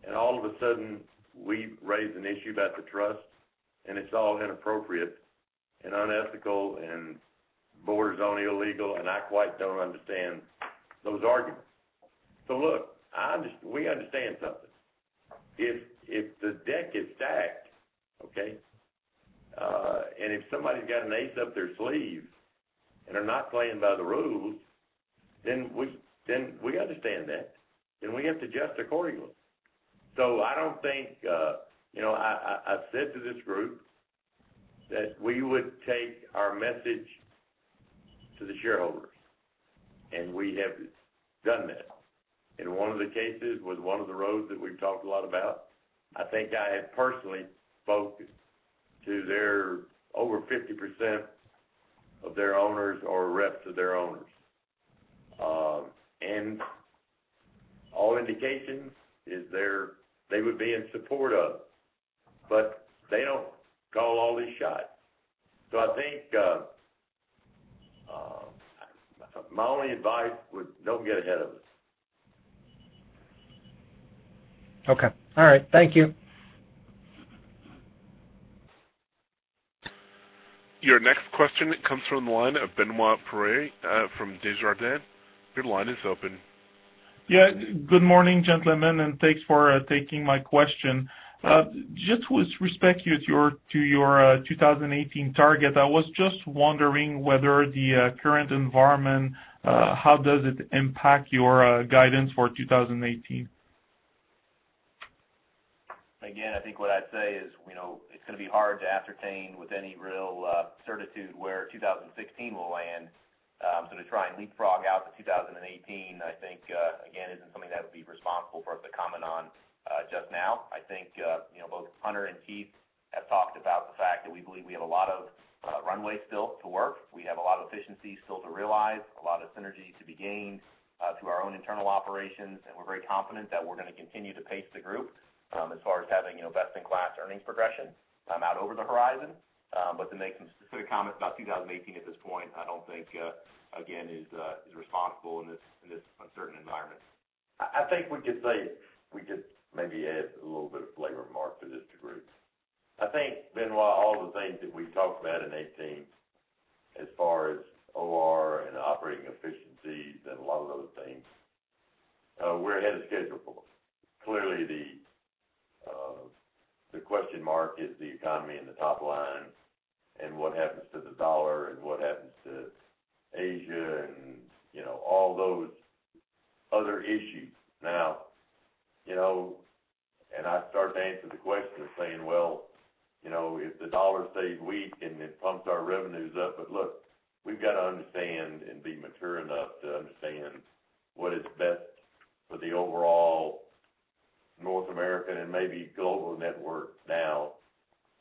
S3: And all of a sudden, we raised an issue about the trust, and it's all inappropriate and unethical and borders on illegal, and I quite don't understand those arguments. So look, we understand something. If the deck is stacked, okay, and if somebody's got an ace up their sleeve and are not playing by the rules, then we understand that, and we have to adjust accordingly. So I don't think, you know, I've said to this group that we would take our message to the shareholders, and we have done that. In one of the cases, with one of the roads that we've talked a lot about, I think I have personally spoken to their, over 50% of their owners or reps of their owners. And all indications is they would be in support of, but they don't call all these shots. So I think, my only advice would, don't get ahead of us.
S12: Okay. All right. Thank you.
S1: Your next question comes from the line of Benoit Poirier from Desjardins. Your line is open.
S13: Yeah, good morning, gentlemen, and thanks for taking my question. Just with respect to your, to your, 2018 target, I was just wondering whether the current environment, how does it impact your guidance for 2018?
S5: Again, I think what I'd say is, you know, it's gonna be hard to ascertain with any real certitude where 2016 will land. So to try and leapfrog out to 2018, I think, again, isn't something that would be responsible for us to comment on, just now. I think, you know, both Hunter and Keith have talked about the fact that we believe we have a lot of runway still to work. We have a lot of efficiency still to realize, a lot of synergy to be gained through our own internal operations, and we're very confident that we're gonna continue to pace the group, as far as having, you know, best-in-class earnings progression, out over the horizon. But to make some specific comments about 2018 at this point, I don't think again is responsible in this uncertain environment....
S3: I think we could say, we could maybe add a little bit of flavor, Mark, to this group. I think, Benoit, all the things that we've talked about in 2018, as far as OR and operating efficiencies and a lot of those things, we're ahead of schedule for. Clearly, the question mark is the economy and the top line, and what happens to the dollar and what happens to Asia and, you know, all those other issues. Now, you know, and I start to answer the question of saying, well, you know, if the dollar stays weak, and it pumps our revenues up. But look, we've got to understand and be mature enough to understand what is best for the overall North American and maybe global network now.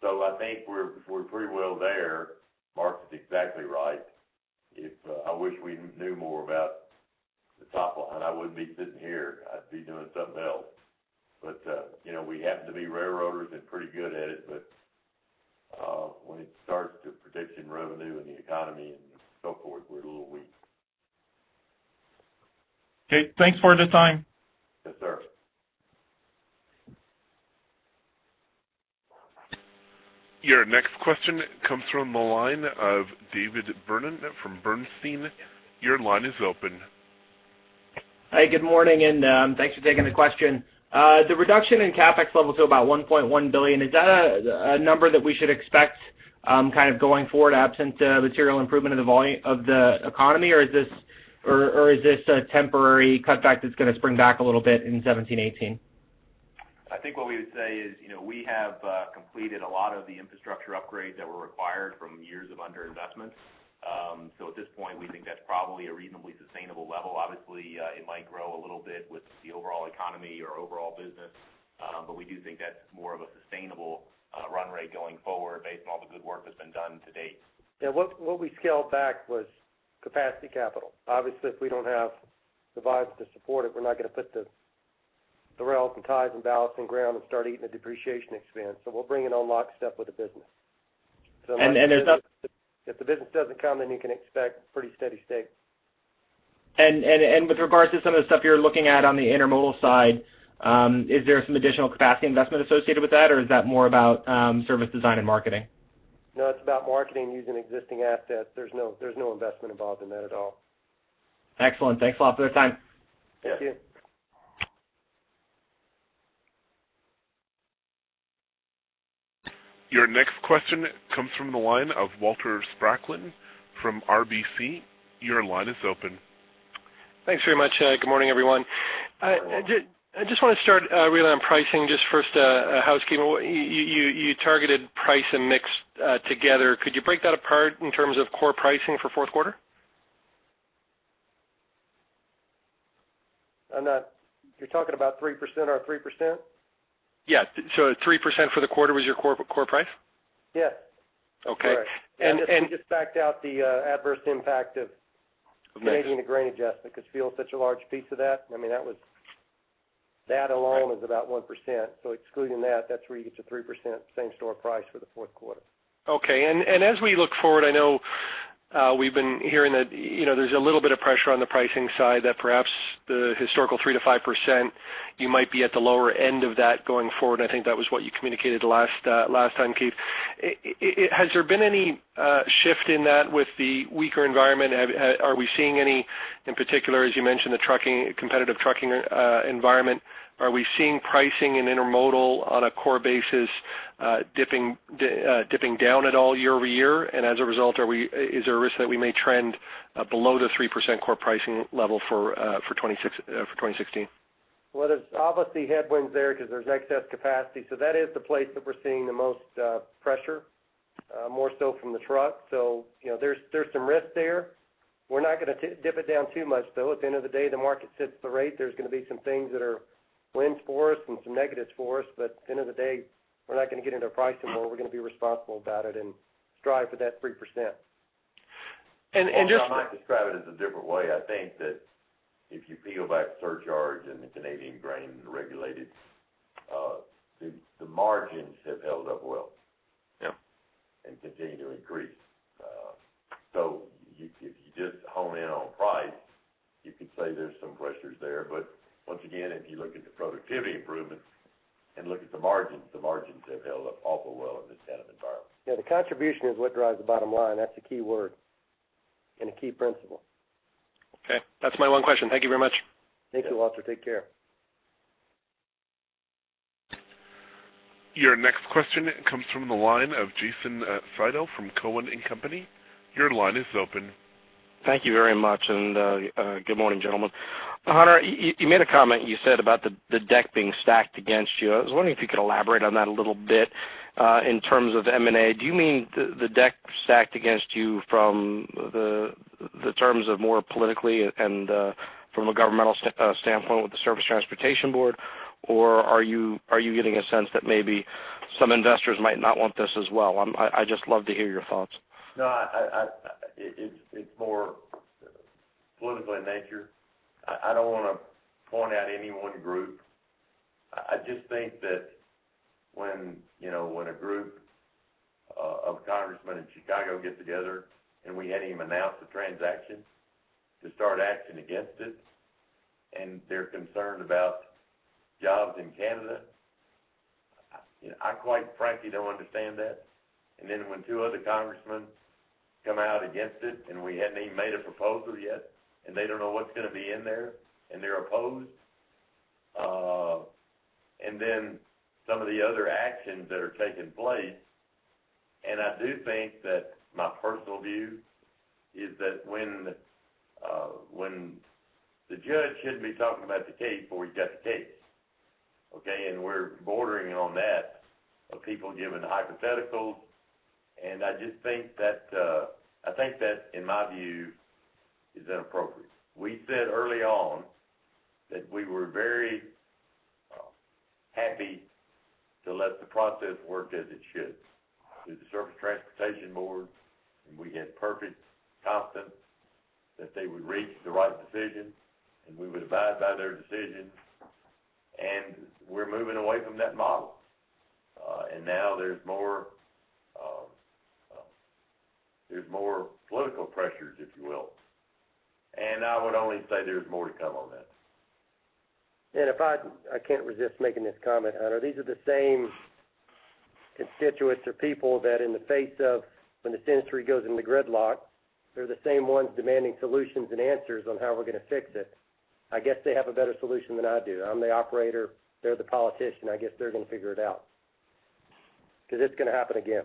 S3: So I think we're pretty well there. Mark is exactly right. If, I wish we knew more about the top line, I wouldn't be sitting here, I'd be doing something else. But, you know, we happen to be railroaders and pretty good at it, but, when it starts to predicting revenue and the economy and so forth, we're a little weak.
S13: Okay, thanks for the time.
S3: Yes, sir.
S1: Your next question comes from the line of David Vernon from Bernstein. Your line is open.
S14: Hi, good morning, and, thanks for taking the question. The reduction in CapEx levels to about $1.1 billion, is that a number that we should expect, kind of, going forward, absent a material improvement in the volume of the economy? Or is this a temporary cutback that's going to spring back a little bit in 2017, 2018?
S5: I think what we would say is, you know, we have completed a lot of the infrastructure upgrades that were required from years of underinvestment. So at this point, we think that's probably a reasonably sustainable level. Obviously, it might grow a little bit with the overall economy or overall business. But we do think that's more of a sustainable run rate going forward based on all the good work that's been done to date.
S4: Yeah. What we scaled back was capacity capital. Obviously, if we don't have the volumes to support it, we're not going to put the rails and ties and ballast in the ground and start eating the depreciation expense. So we'll bring it in lockstep with the business.
S14: and there's not-
S4: If the business doesn't come, then you can expect pretty steady state.
S14: And with regards to some of the stuff you're looking at on the intermodal side, is there some additional capacity investment associated with that, or is that more about service design and marketing?
S4: No, it's about marketing using existing assets. There's no investment involved in that at all.
S14: Excellent. Thanks a lot for your time.
S4: Thank you.
S1: Your next question comes from the line of Walter Spracklin from RBC. Your line is open.
S15: Thanks very much. Good morning, everyone.
S4: Good morning.
S15: I just want to start really on pricing just first, a housekeeping. You targeted price and mix together. Could you break that apart in terms of core pricing for fourth quarter?
S4: On that, you're talking about 3% or our 3%?
S15: Yeah. So 3% for the quarter was your core, core price?
S4: Yes.
S15: Okay.
S4: Correct.
S15: And, and-
S4: We just backed out the adverse impact of-
S15: Of mix...
S4: Canadian grain adjustment, because fuel is such a large piece of that. I mean, that was, that alone is about 1%. So excluding that, that's where you get to 3% same store price for the fourth quarter.
S15: Okay. And as we look forward, I know we've been hearing that, you know, there's a little bit of pressure on the pricing side, that perhaps the historical 3%-5%, you might be at the lower end of that going forward. I think that was what you communicated last time, Keith. Has there been any shift in that with the weaker environment? Are we seeing any, in particular, as you mentioned, the trucking, competitive trucking environment, are we seeing pricing in intermodal on a core basis dipping down at all year-over-year? And as a result, is there a risk that we may trend below the 3% core pricing level for 2026, for 2016?
S4: Well, there's obviously headwinds there because there's excess capacity. So that is the place that we're seeing the most pressure, more so from the truck. So, you know, there's some risk there. We're not going to dip it down too much, though. At the end of the day, the market sets the rate. There's going to be some things that are wins for us and some negatives for us. But at the end of the day, we're not going to get into pricing more. We're going to be responsible about it and strive for that 3%.
S15: And just-
S3: Well, I might describe it as a different way. I think that if you peel back surcharge and the Canadian grain and the regulated, the margins have held up well.
S4: Yep.
S3: Continue to increase. So you, if you just hone in on price, you could say there's some pressures there. But once again, if you look at the productivity improvements and look at the margins, the margins have held up awful well in this kind of environment.
S5: Yeah, the contribution is what drives the bottom line. That's the key word and a key principle.
S15: Okay. That's my one question. Thank you very much.
S5: Thank you, Walter. Take care.
S1: Your next question comes from the line of Jason Seidl from Cowen and Company. Your line is open.
S16: Thank you very much, and good morning, gentlemen. Hunter, you made a comment, you said about the deck being stacked against you. I was wondering if you could elaborate on that a little bit in terms of M&A. Do you mean the deck stacked against you from the terms of more politically and from a governmental standpoint with the Surface Transportation Board? Or are you getting a sense that maybe some investors might not want this as well? I just love to hear your thoughts.
S3: No, it's more politically in nature. I don't want to point out any one group. I just think that when, you know, when a group of congressmen in Chicago get together, and we hadn't even announced the transaction to start acting against it, and they're concerned about jobs in Canada, you know, I quite frankly don't understand that. And then when two other congressmen come out against it, and we hadn't even made a proposal yet, and they don't know what's going to be in there, and they're opposed. And then some of the other actions that are taking place, and I do think that my personal view is that when the judge shouldn't be talking about the case before he's got the case, okay? We're bordering on that, of people giving hypotheticals, and I just think that, I think that, in my view, is inappropriate. We said early on that we were very happy to let the process work as it should, through the Surface Transportation Board, and we had perfect confidence that they would reach the right decision, and we would abide by their decision, and we're moving away from that model. And now there's more, there's more political pressures, if you will. And I would only say there's more to come on that.
S4: And if I... I can't resist making this comment, Hunter. These are the same constituents or people that in the face of when the Senate goes into gridlock, they're the same ones demanding solutions and answers on how we're going to fix it. I guess they have a better solution than I do. I'm the operator, they're the politician. I guess they're going to figure it out. Because it's going to happen again.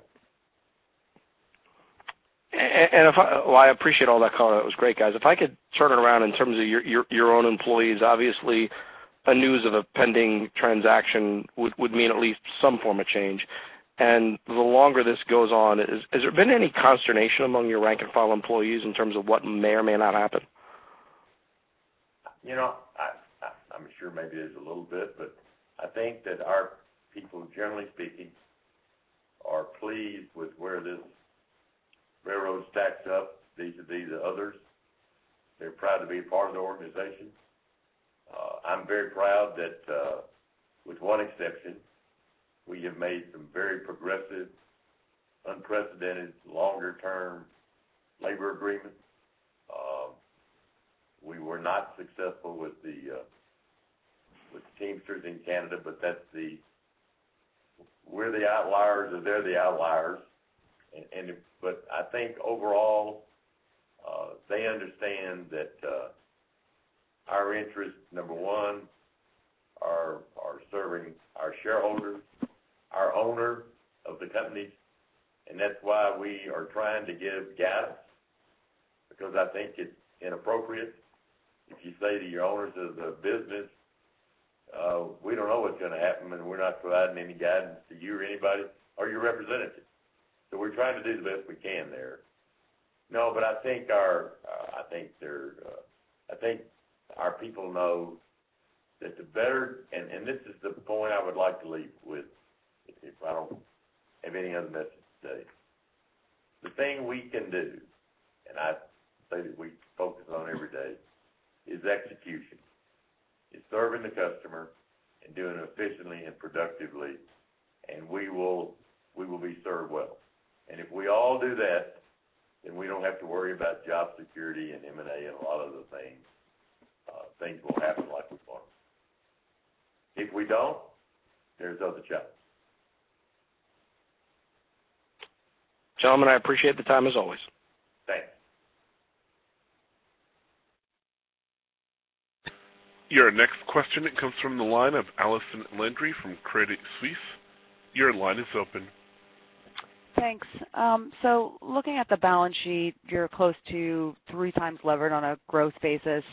S16: Well, I appreciate all that, Hunter. That was great, guys. If I could turn it around in terms of your own employees, obviously, a news of a pending transaction would mean at least some form of change. And the longer this goes on, has there been any consternation among your rank-and-file employees in terms of what may or may not happen?
S3: You know, I'm sure maybe there's a little bit, but I think that our people, generally speaking, are pleased with where this railroad stacks up vis-a-vis the others. They're proud to be a part of the organization. I'm very proud that, with one exception, we have made some very progressive, unprecedented, longer-term labor agreements. We were not successful with the Teamsters in Canada, but that's the-- we're the outliers or they're the outliers. But I think overall, they understand that our interest, number one, are serving our shareholders, our owner of the company, and that's why we are trying to give guidance. Because I think it's inappropriate if you say to your owners of the business, "We don't know what's going to happen, and we're not providing any guidance to you or anybody or your representatives." So we're trying to do the best we can there. No, but I think our people know that the better. And this is the point I would like to leave with, if I don't have any other message to say. The thing we can do, and I say that we focus on every day, is execution, serving the customer and doing it efficiently and productively, and we will be served well. And if we all do that, then we don't have to worry about job security and M&A and a lot of other things. Things will happen like before. If we don't, there's other challenges.
S16: Gentlemen, I appreciate the time as always.
S3: Thanks.
S1: Your next question comes from the line of Allison Landry from Credit Suisse. Your line is open.
S17: Thanks. So looking at the balance sheet, you're close to 3x levered on a growth basis.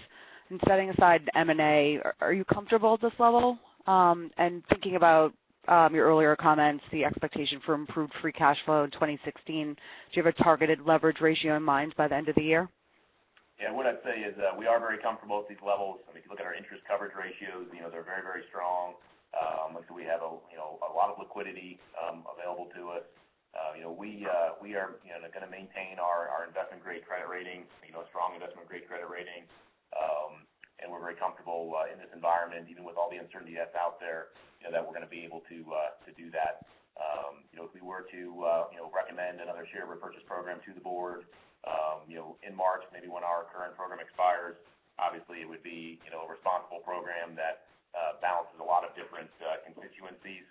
S17: And setting aside M&A, are you comfortable at this level? And thinking about your earlier comments, the expectation for improved free cash flow in 2016, do you have a targeted leverage ratio in mind by the end of the year?
S5: Yeah, what I'd say is that we are very comfortable with these levels. I mean, if you look at our interest coverage ratios, you know, they're very, very strong. Like we have a, you know, a lot of liquidity, available to us. You know, we, we are, you know, going to maintain our, our investment-grade credit ratings, you know, strong investment-grade credit ratings. And we're very comfortable, in this environment, even with all the uncertainty that's out there, you know, that we're going to be able to, to do that. You know, if we were to, you know, recommend another share repurchase program to the Board, you know, in March, maybe when our current program expires, obviously, it would be, you know, a responsible program that, balances a lot of different, constituencies.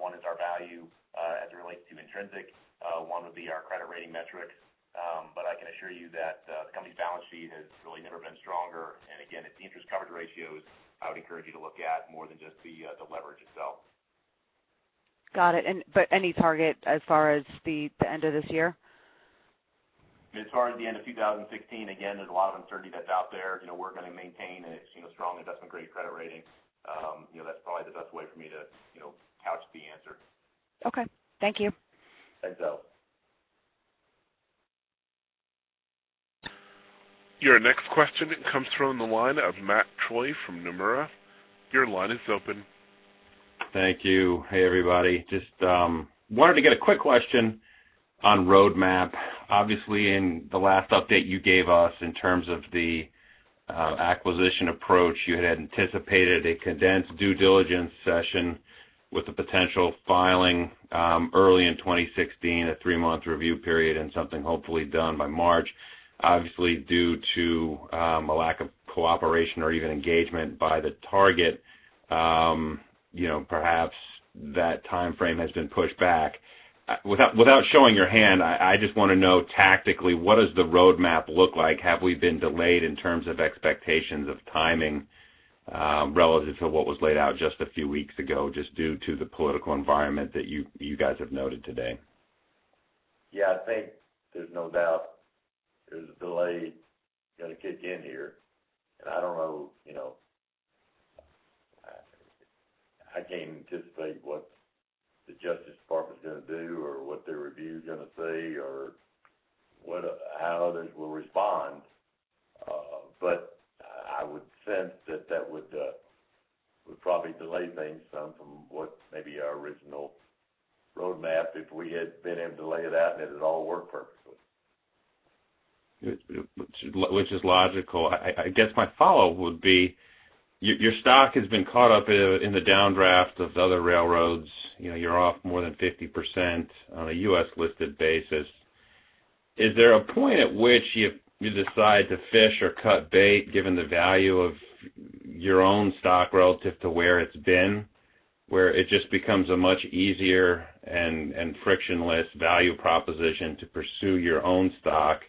S5: One is our value as it relates to intrinsic. One would be our credit rating metrics. But I can assure you that the company's balance sheet has really never been stronger. And again, it's the interest coverage ratios I would encourage you to look at more than just the leverage itself.
S17: Got it. But any target as far as the end of this year?
S5: As far as the end of 2016, again, there's a lot of uncertainty that's out there. You know, we're going to maintain a, you know, strong investment-grade credit rating. You know, that's probably the best way for me to, you know, couch the answer.
S17: Okay. Thank you.
S5: Thanks, Allison.
S1: Your next question comes from the line of Matt Troy from Nomura. Your line is open.
S18: Thank you. Hey, everybody. Just wanted to get a quick question.... on roadmap, obviously, in the last update you gave us in terms of the acquisition approach, you had anticipated a condensed due diligence session with a potential filing early in 2016, a three-month review period, and something hopefully done by March. Obviously, due to a lack of cooperation or even engagement by the target, you know, perhaps that time frame has been pushed back. Without showing your hand, I just want to know tactically, what does the roadmap look like? Have we been delayed in terms of expectations of timing relative to what was laid out just a few weeks ago, just due to the political environment that you guys have noted today?
S3: Yeah, I think there's no doubt there's a delay going to kick in here. I don't know, you know... I can't anticipate what the Justice Department's going to do or what their review is going to say or what, how others will respond. But I would sense that would probably delay things some from what maybe our original roadmap, if we had been able to lay it out and it had all worked perfectly.
S18: Which is logical. I guess my follow-up would be, your stock has been caught up in the downdraft of the other railroads. You know, you're off more than 50% on a U.S.-listed basis. Is there a point at which you decide to fish or cut bait, given the value of your own stock relative to where it's been, where it just becomes a much easier and frictionless value proposition to pursue your own stock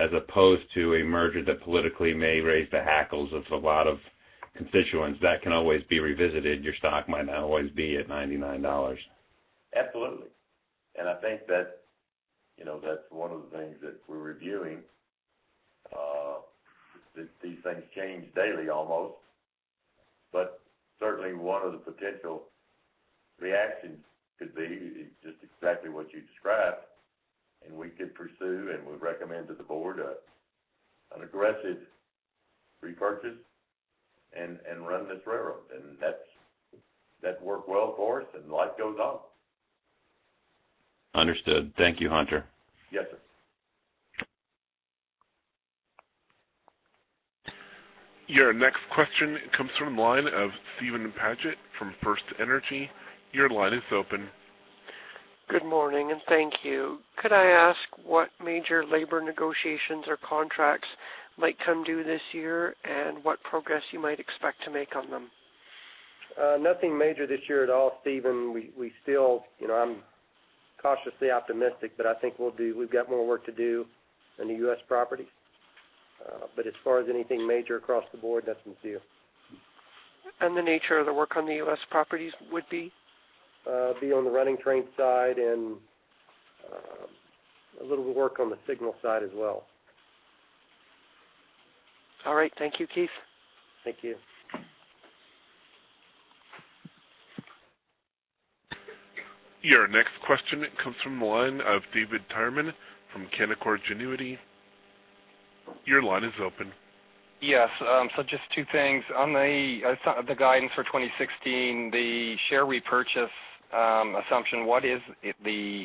S18: as opposed to a merger that politically may raise the hackles of a lot of constituents? That can always be revisited. Your stock might not always be at $99.
S3: Absolutely. And I think that, you know, that's one of the things that we're reviewing. These things change daily, almost. But certainly one of the potential reactions could be just exactly what you described, and we could pursue, and would recommend to the Board, an aggressive repurchase and, and run this railroad. And that's, that'd work well for us, and life goes on.
S18: Understood. Thank you, Hunter.
S3: Yes, sir.
S1: Your next question comes from the line of Steven Paget from FirstEnergy Capital. Your line is open.
S19: Good morning, and thank you. Could I ask what major labor negotiations or contracts might come due this year, and what progress you might expect to make on them?
S4: Nothing major this year at all, Steven. We still, you know, I'm cautiously optimistic, but I think we've got more work to do in the U.S. properties. But as far as anything major across the board, nothing to see here.
S19: The nature of the work on the U.S. properties would be?
S4: Be on the running train side and a little work on the signal side as well.
S19: All right. Thank you, Keith.
S4: Thank you.
S1: Your next question comes from the line of David Tyerman from Canaccord Genuity. Your line is open.
S20: Yes, so just two things. On the guidance for 2016, the share repurchase assumption, what is the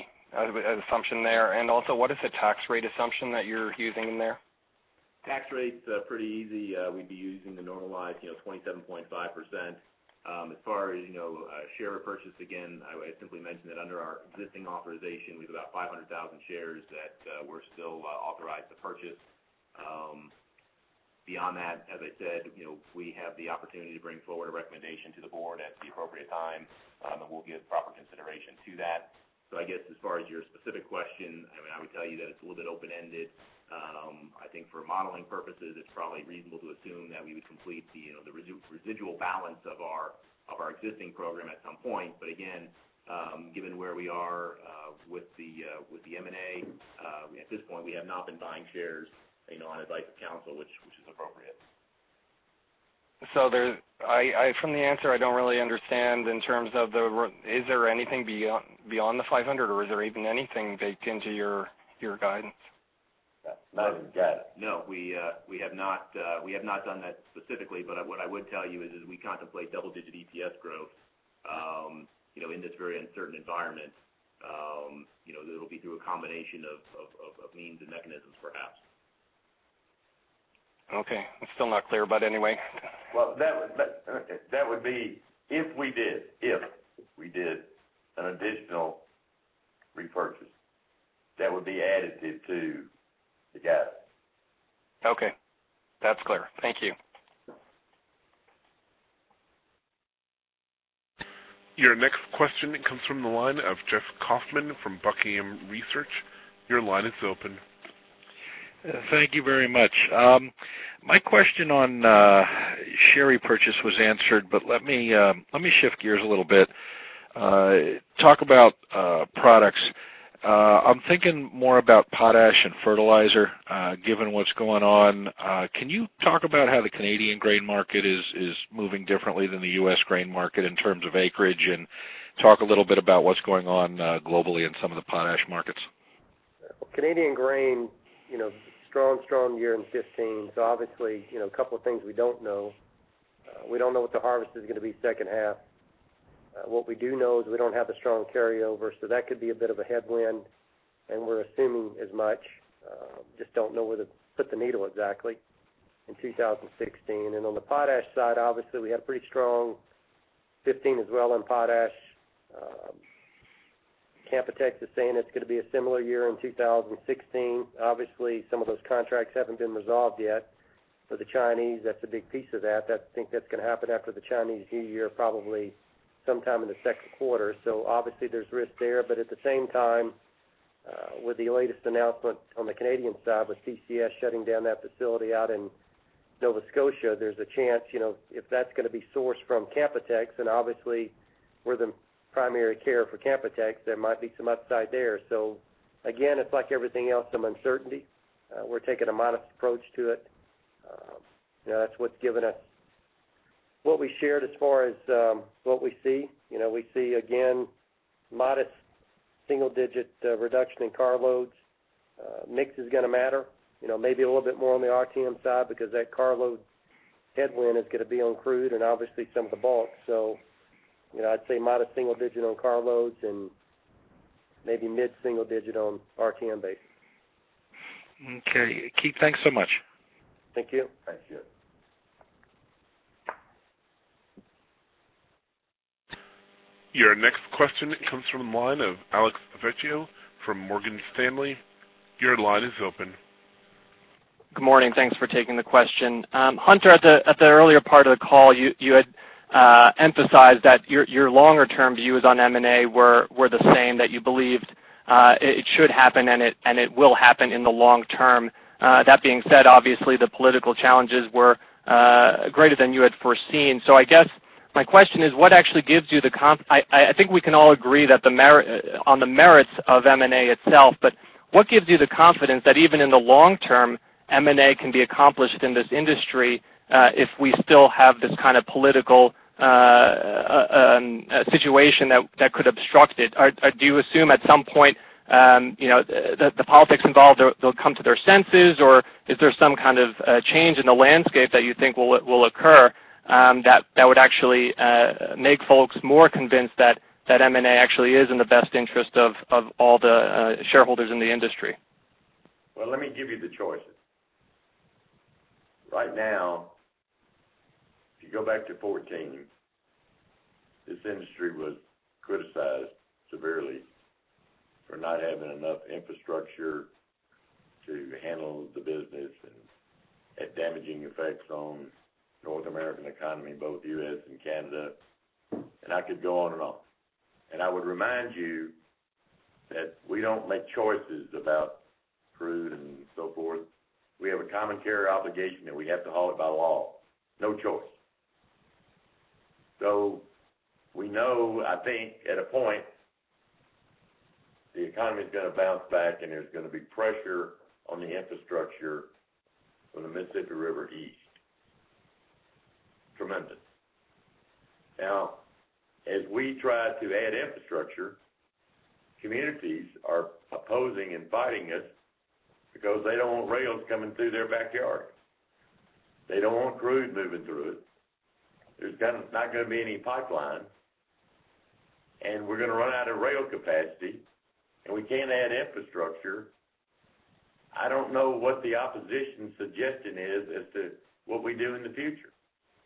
S20: assumption there? And also, what is the tax rate assumption that you're using in there?
S5: Tax rate's pretty easy. We'd be using the normalized, you know, 27.5%. As far as, you know, share repurchase, again, I simply mentioned that under our existing authorization, we've about 500,000 shares that we're still authorized to purchase. Beyond that, as I said, you know, we have the opportunity to bring forward a recommendation to the Board at the appropriate time, and we'll give proper consideration to that. So I guess as far as your specific question, I mean, I would tell you that it's a little bit open-ended. I think for modeling purposes, it's probably reasonable to assume that we would complete the, you know, the residual balance of our existing program at some point. But again, given where we are with the M&A, at this point, we have not been buying shares, you know, on advice of counsel, which is appropriate.
S20: So, from the answer, I don't really understand in terms of the, is there anything beyond the 500, or is there even anything baked into your guidance?
S5: Not yet. No, we have not done that specifically, but what I would tell you is, as we contemplate double-digit EPS growth, you know, in this very uncertain environment, you know, it'll be through a combination of means and mechanisms, perhaps.
S20: Okay. I'm still not clear, but anyway.
S3: Well, that would be if we did an additional repurchase, that would be additive to the guide.
S20: Okay. That's clear. Thank you.
S1: Your next question comes from the line of Jeff Kauffman from Buckingham Research. Your line is open.
S21: Thank you very much. My question on share repurchase was answered, but let me shift gears a little bit. Talk about products. I'm thinking more about potash and fertilizer, given what's going on. Can you talk about how the Canadian grain market is moving differently than the U.S. grain market in terms of acreage? And talk a little bit about what's going on globally in some of the potash markets.
S4: Canadian grain, you know, strong, strong year in 2015. So obviously, you know, a couple of things we don't know. We don't know what the harvest is gonna be second half. What we do know is we don't have a strong carryover, so that could be a bit of a headwind, and we're assuming as much. Just don't know where to put the needle exactly in 2016. And on the potash side, obviously, we had a pretty strong 2015 as well on potash. Canpotex is saying it's gonna be a similar year in 2016. Obviously, some of those contracts haven't been resolved yet. For the Chinese, that's a big piece of that. I think that's gonna happen after the Chinese New Year, probably sometime in the second quarter. So obviously, there's risk there. But at the same time, with the latest announcement on the Canadian side, with PCS shutting down that facility out in Nova Scotia, there's a chance, you know, if that's gonna be sourced from Canpotex, and obviously, we're the primary carrier for Canpotex, there might be some upside there. So again, it's like everything else, some uncertainty. We're taking a modest approach to it. You know, that's what's given us what we shared as far as, what we see. You know, we see, again, modest single-digit reduction in carloads. Mix is gonna matter, you know, maybe a little bit more on the RTM side because that carload headwind is gonna be on crude and obviously, some of the bulk. So, you know, I'd say modest single digit on carloads and maybe mid-single digit on RTM basis.
S21: Okay, Keith, thanks so much.
S4: Thank you.
S3: Thank you.
S1: Your next question comes from the line of Alex Vecchio from Morgan Stanley. Your line is open.
S22: Good morning, thanks for taking the question. Hunter, at the earlier part of the call, you had emphasized that your longer-term views on M&A were the same, that you believed it should happen, and it will happen in the long term. That being said, obviously, the political challenges were greater than you had foreseen. So I guess my question is, what actually gives you the confidence? I think we can all agree that on the merits of M&A itself, but what gives you the confidence that even in the long term, M&A can be accomplished in this industry, if we still have this kind of political situation that could obstruct it? Or do you assume at some point, you know, that the politics involved, they'll, they'll come to their senses, or is there some kind of a change in the landscape that you think will, will occur, that, that would actually make folks more convinced that, that M&A actually is in the best interest of, of all the shareholders in the industry?
S3: Well, let me give you the choices. Right now, if you go back to 2014, this industry was criticized severely for not having enough infrastructure to handle the business and had damaging effects on North American economy, both U.S. and Canada. I could go on and on. I would remind you that we don't make choices about crude and so forth. We have a common carrier obligation, and we have to haul it by law, no choice. So we know, I think, at a point, the economy is gonna bounce back, and there's gonna be pressure on the infrastructure from the Mississippi River east. Tremendous. Now, as we try to add infrastructure, communities are opposing and fighting us because they don't want rails coming through their backyard. They don't want crude moving through it. There's gonna-- not gonna be any pipeline, and we're gonna run out of rail capacity, and we can't add infrastructure. I don't know what the opposition's suggestion is as to what we do in the future,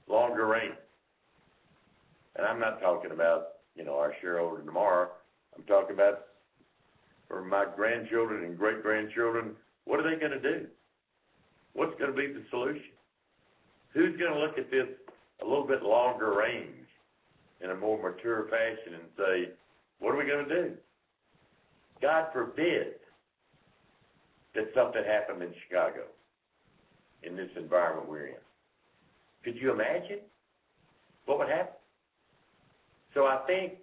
S3: longer range. And I'm not talking about, you know, our shareholder tomorrow. I'm talking about for my grandchildren and great-grandchildren, what are they gonna do? What's gonna be the solution? Who's gonna look at this a little bit longer range in a more mature fashion and say, "What are we gonna do?" God forbid, that something happened in Chicago in this environment we're in. Could you imagine what would happen? So I think,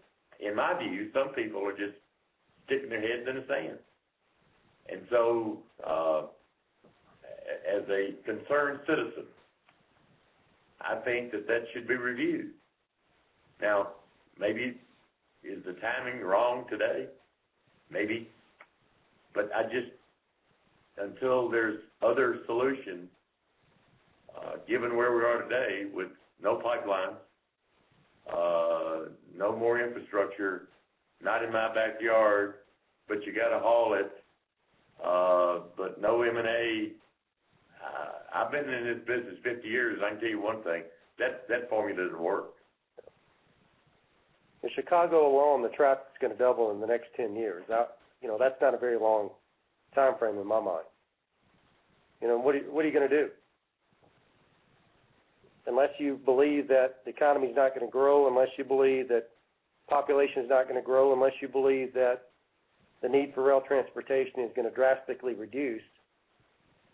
S3: in my view, some people are just sticking their heads in the sand. And so, as a concerned citizen, I think that that should be reviewed. Now, maybe, is the timing wrong today? Maybe. But until there's other solutions, given where we are today with no pipelines, no more infrastructure, not in my backyard, but you gotta haul it, but no M&A. I've been in this business 50 years, I can tell you one thing, that formula doesn't work.
S4: In Chicago alone, the traffic is gonna double in the next 10 years. That, you know, that's not a very long timeframe in my mind. You know, what are you, what are you gonna do? Unless you believe that the economy is not gonna grow, unless you believe that population is not gonna grow, unless you believe that the need for rail transportation is gonna drastically reduce,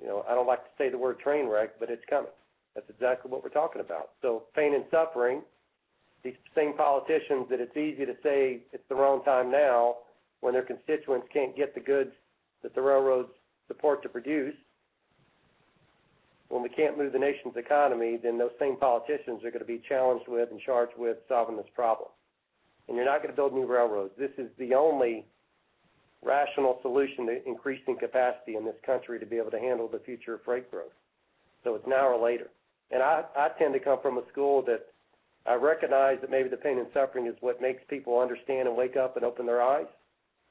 S4: you know, I don't like to say the word train wreck, but it's coming. That's exactly what we're talking about. So pain and suffering, these same politicians, that it's easy to say it's the wrong time now, when their constituents can't get the goods that the railroads support to produce. When we can't move the nation's economy, then those same politicians are gonna be challenged with and charged with solving this problem. And you're not gonna build new railroads. This is the only... Rational solution to increasing capacity in this country to be able to handle the future of freight growth. So it's now or later. And I, I tend to come from a school that I recognize that maybe the pain and suffering is what makes people understand and wake up and open their eyes.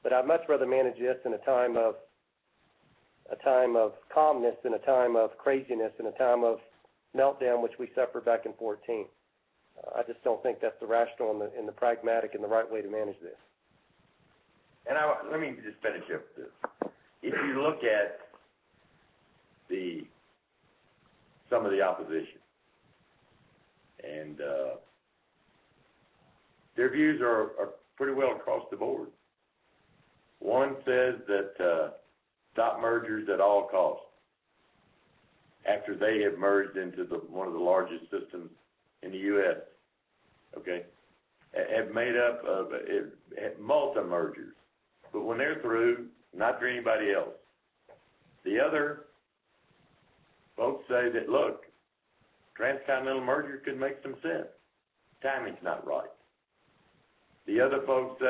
S4: But I'd much rather manage this in a time of, a time of calmness than a time of craziness, in a time of meltdown, which we suffered back in 2014. I just don't think that's the rational and the, and the pragmatic and the right way to manage this.
S3: Let me just finish up this. If you look at some of the opposition and their views are pretty well across the board. One says that stop mergers at all costs after they have merged into one of the largest systems in the U.S., okay? And made up of multi mergers. But when they're through, not for anybody else. The other folks say that, "Look, transcontinental merger could make some sense. Timing's not right." The other folks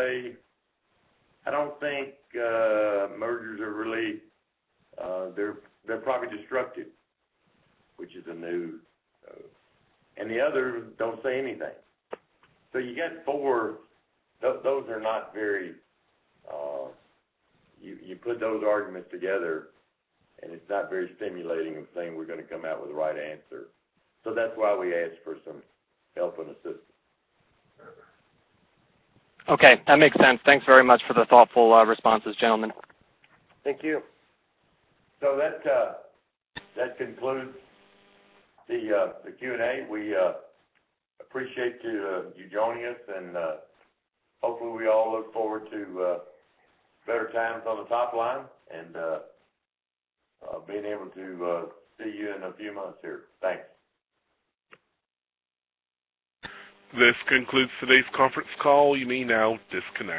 S3: say, "I don't think mergers are really, they're probably destructive," which is a new. And the others don't say anything. So you get four. Those are not very. You put those arguments together, and it's not very stimulating, saying we're gonna come out with the right answer. So that's why we asked for some help and assistance.
S22: Okay, that makes sense. Thanks very much for the thoughtful responses, gentlemen.
S4: Thank you.
S3: So that concludes the Q&A. We appreciate you joining us, and hopefully, we all look forward to better times on the top line and being able to see you in a few months here. Thanks.
S1: This concludes today's conference call. You may now disconnect.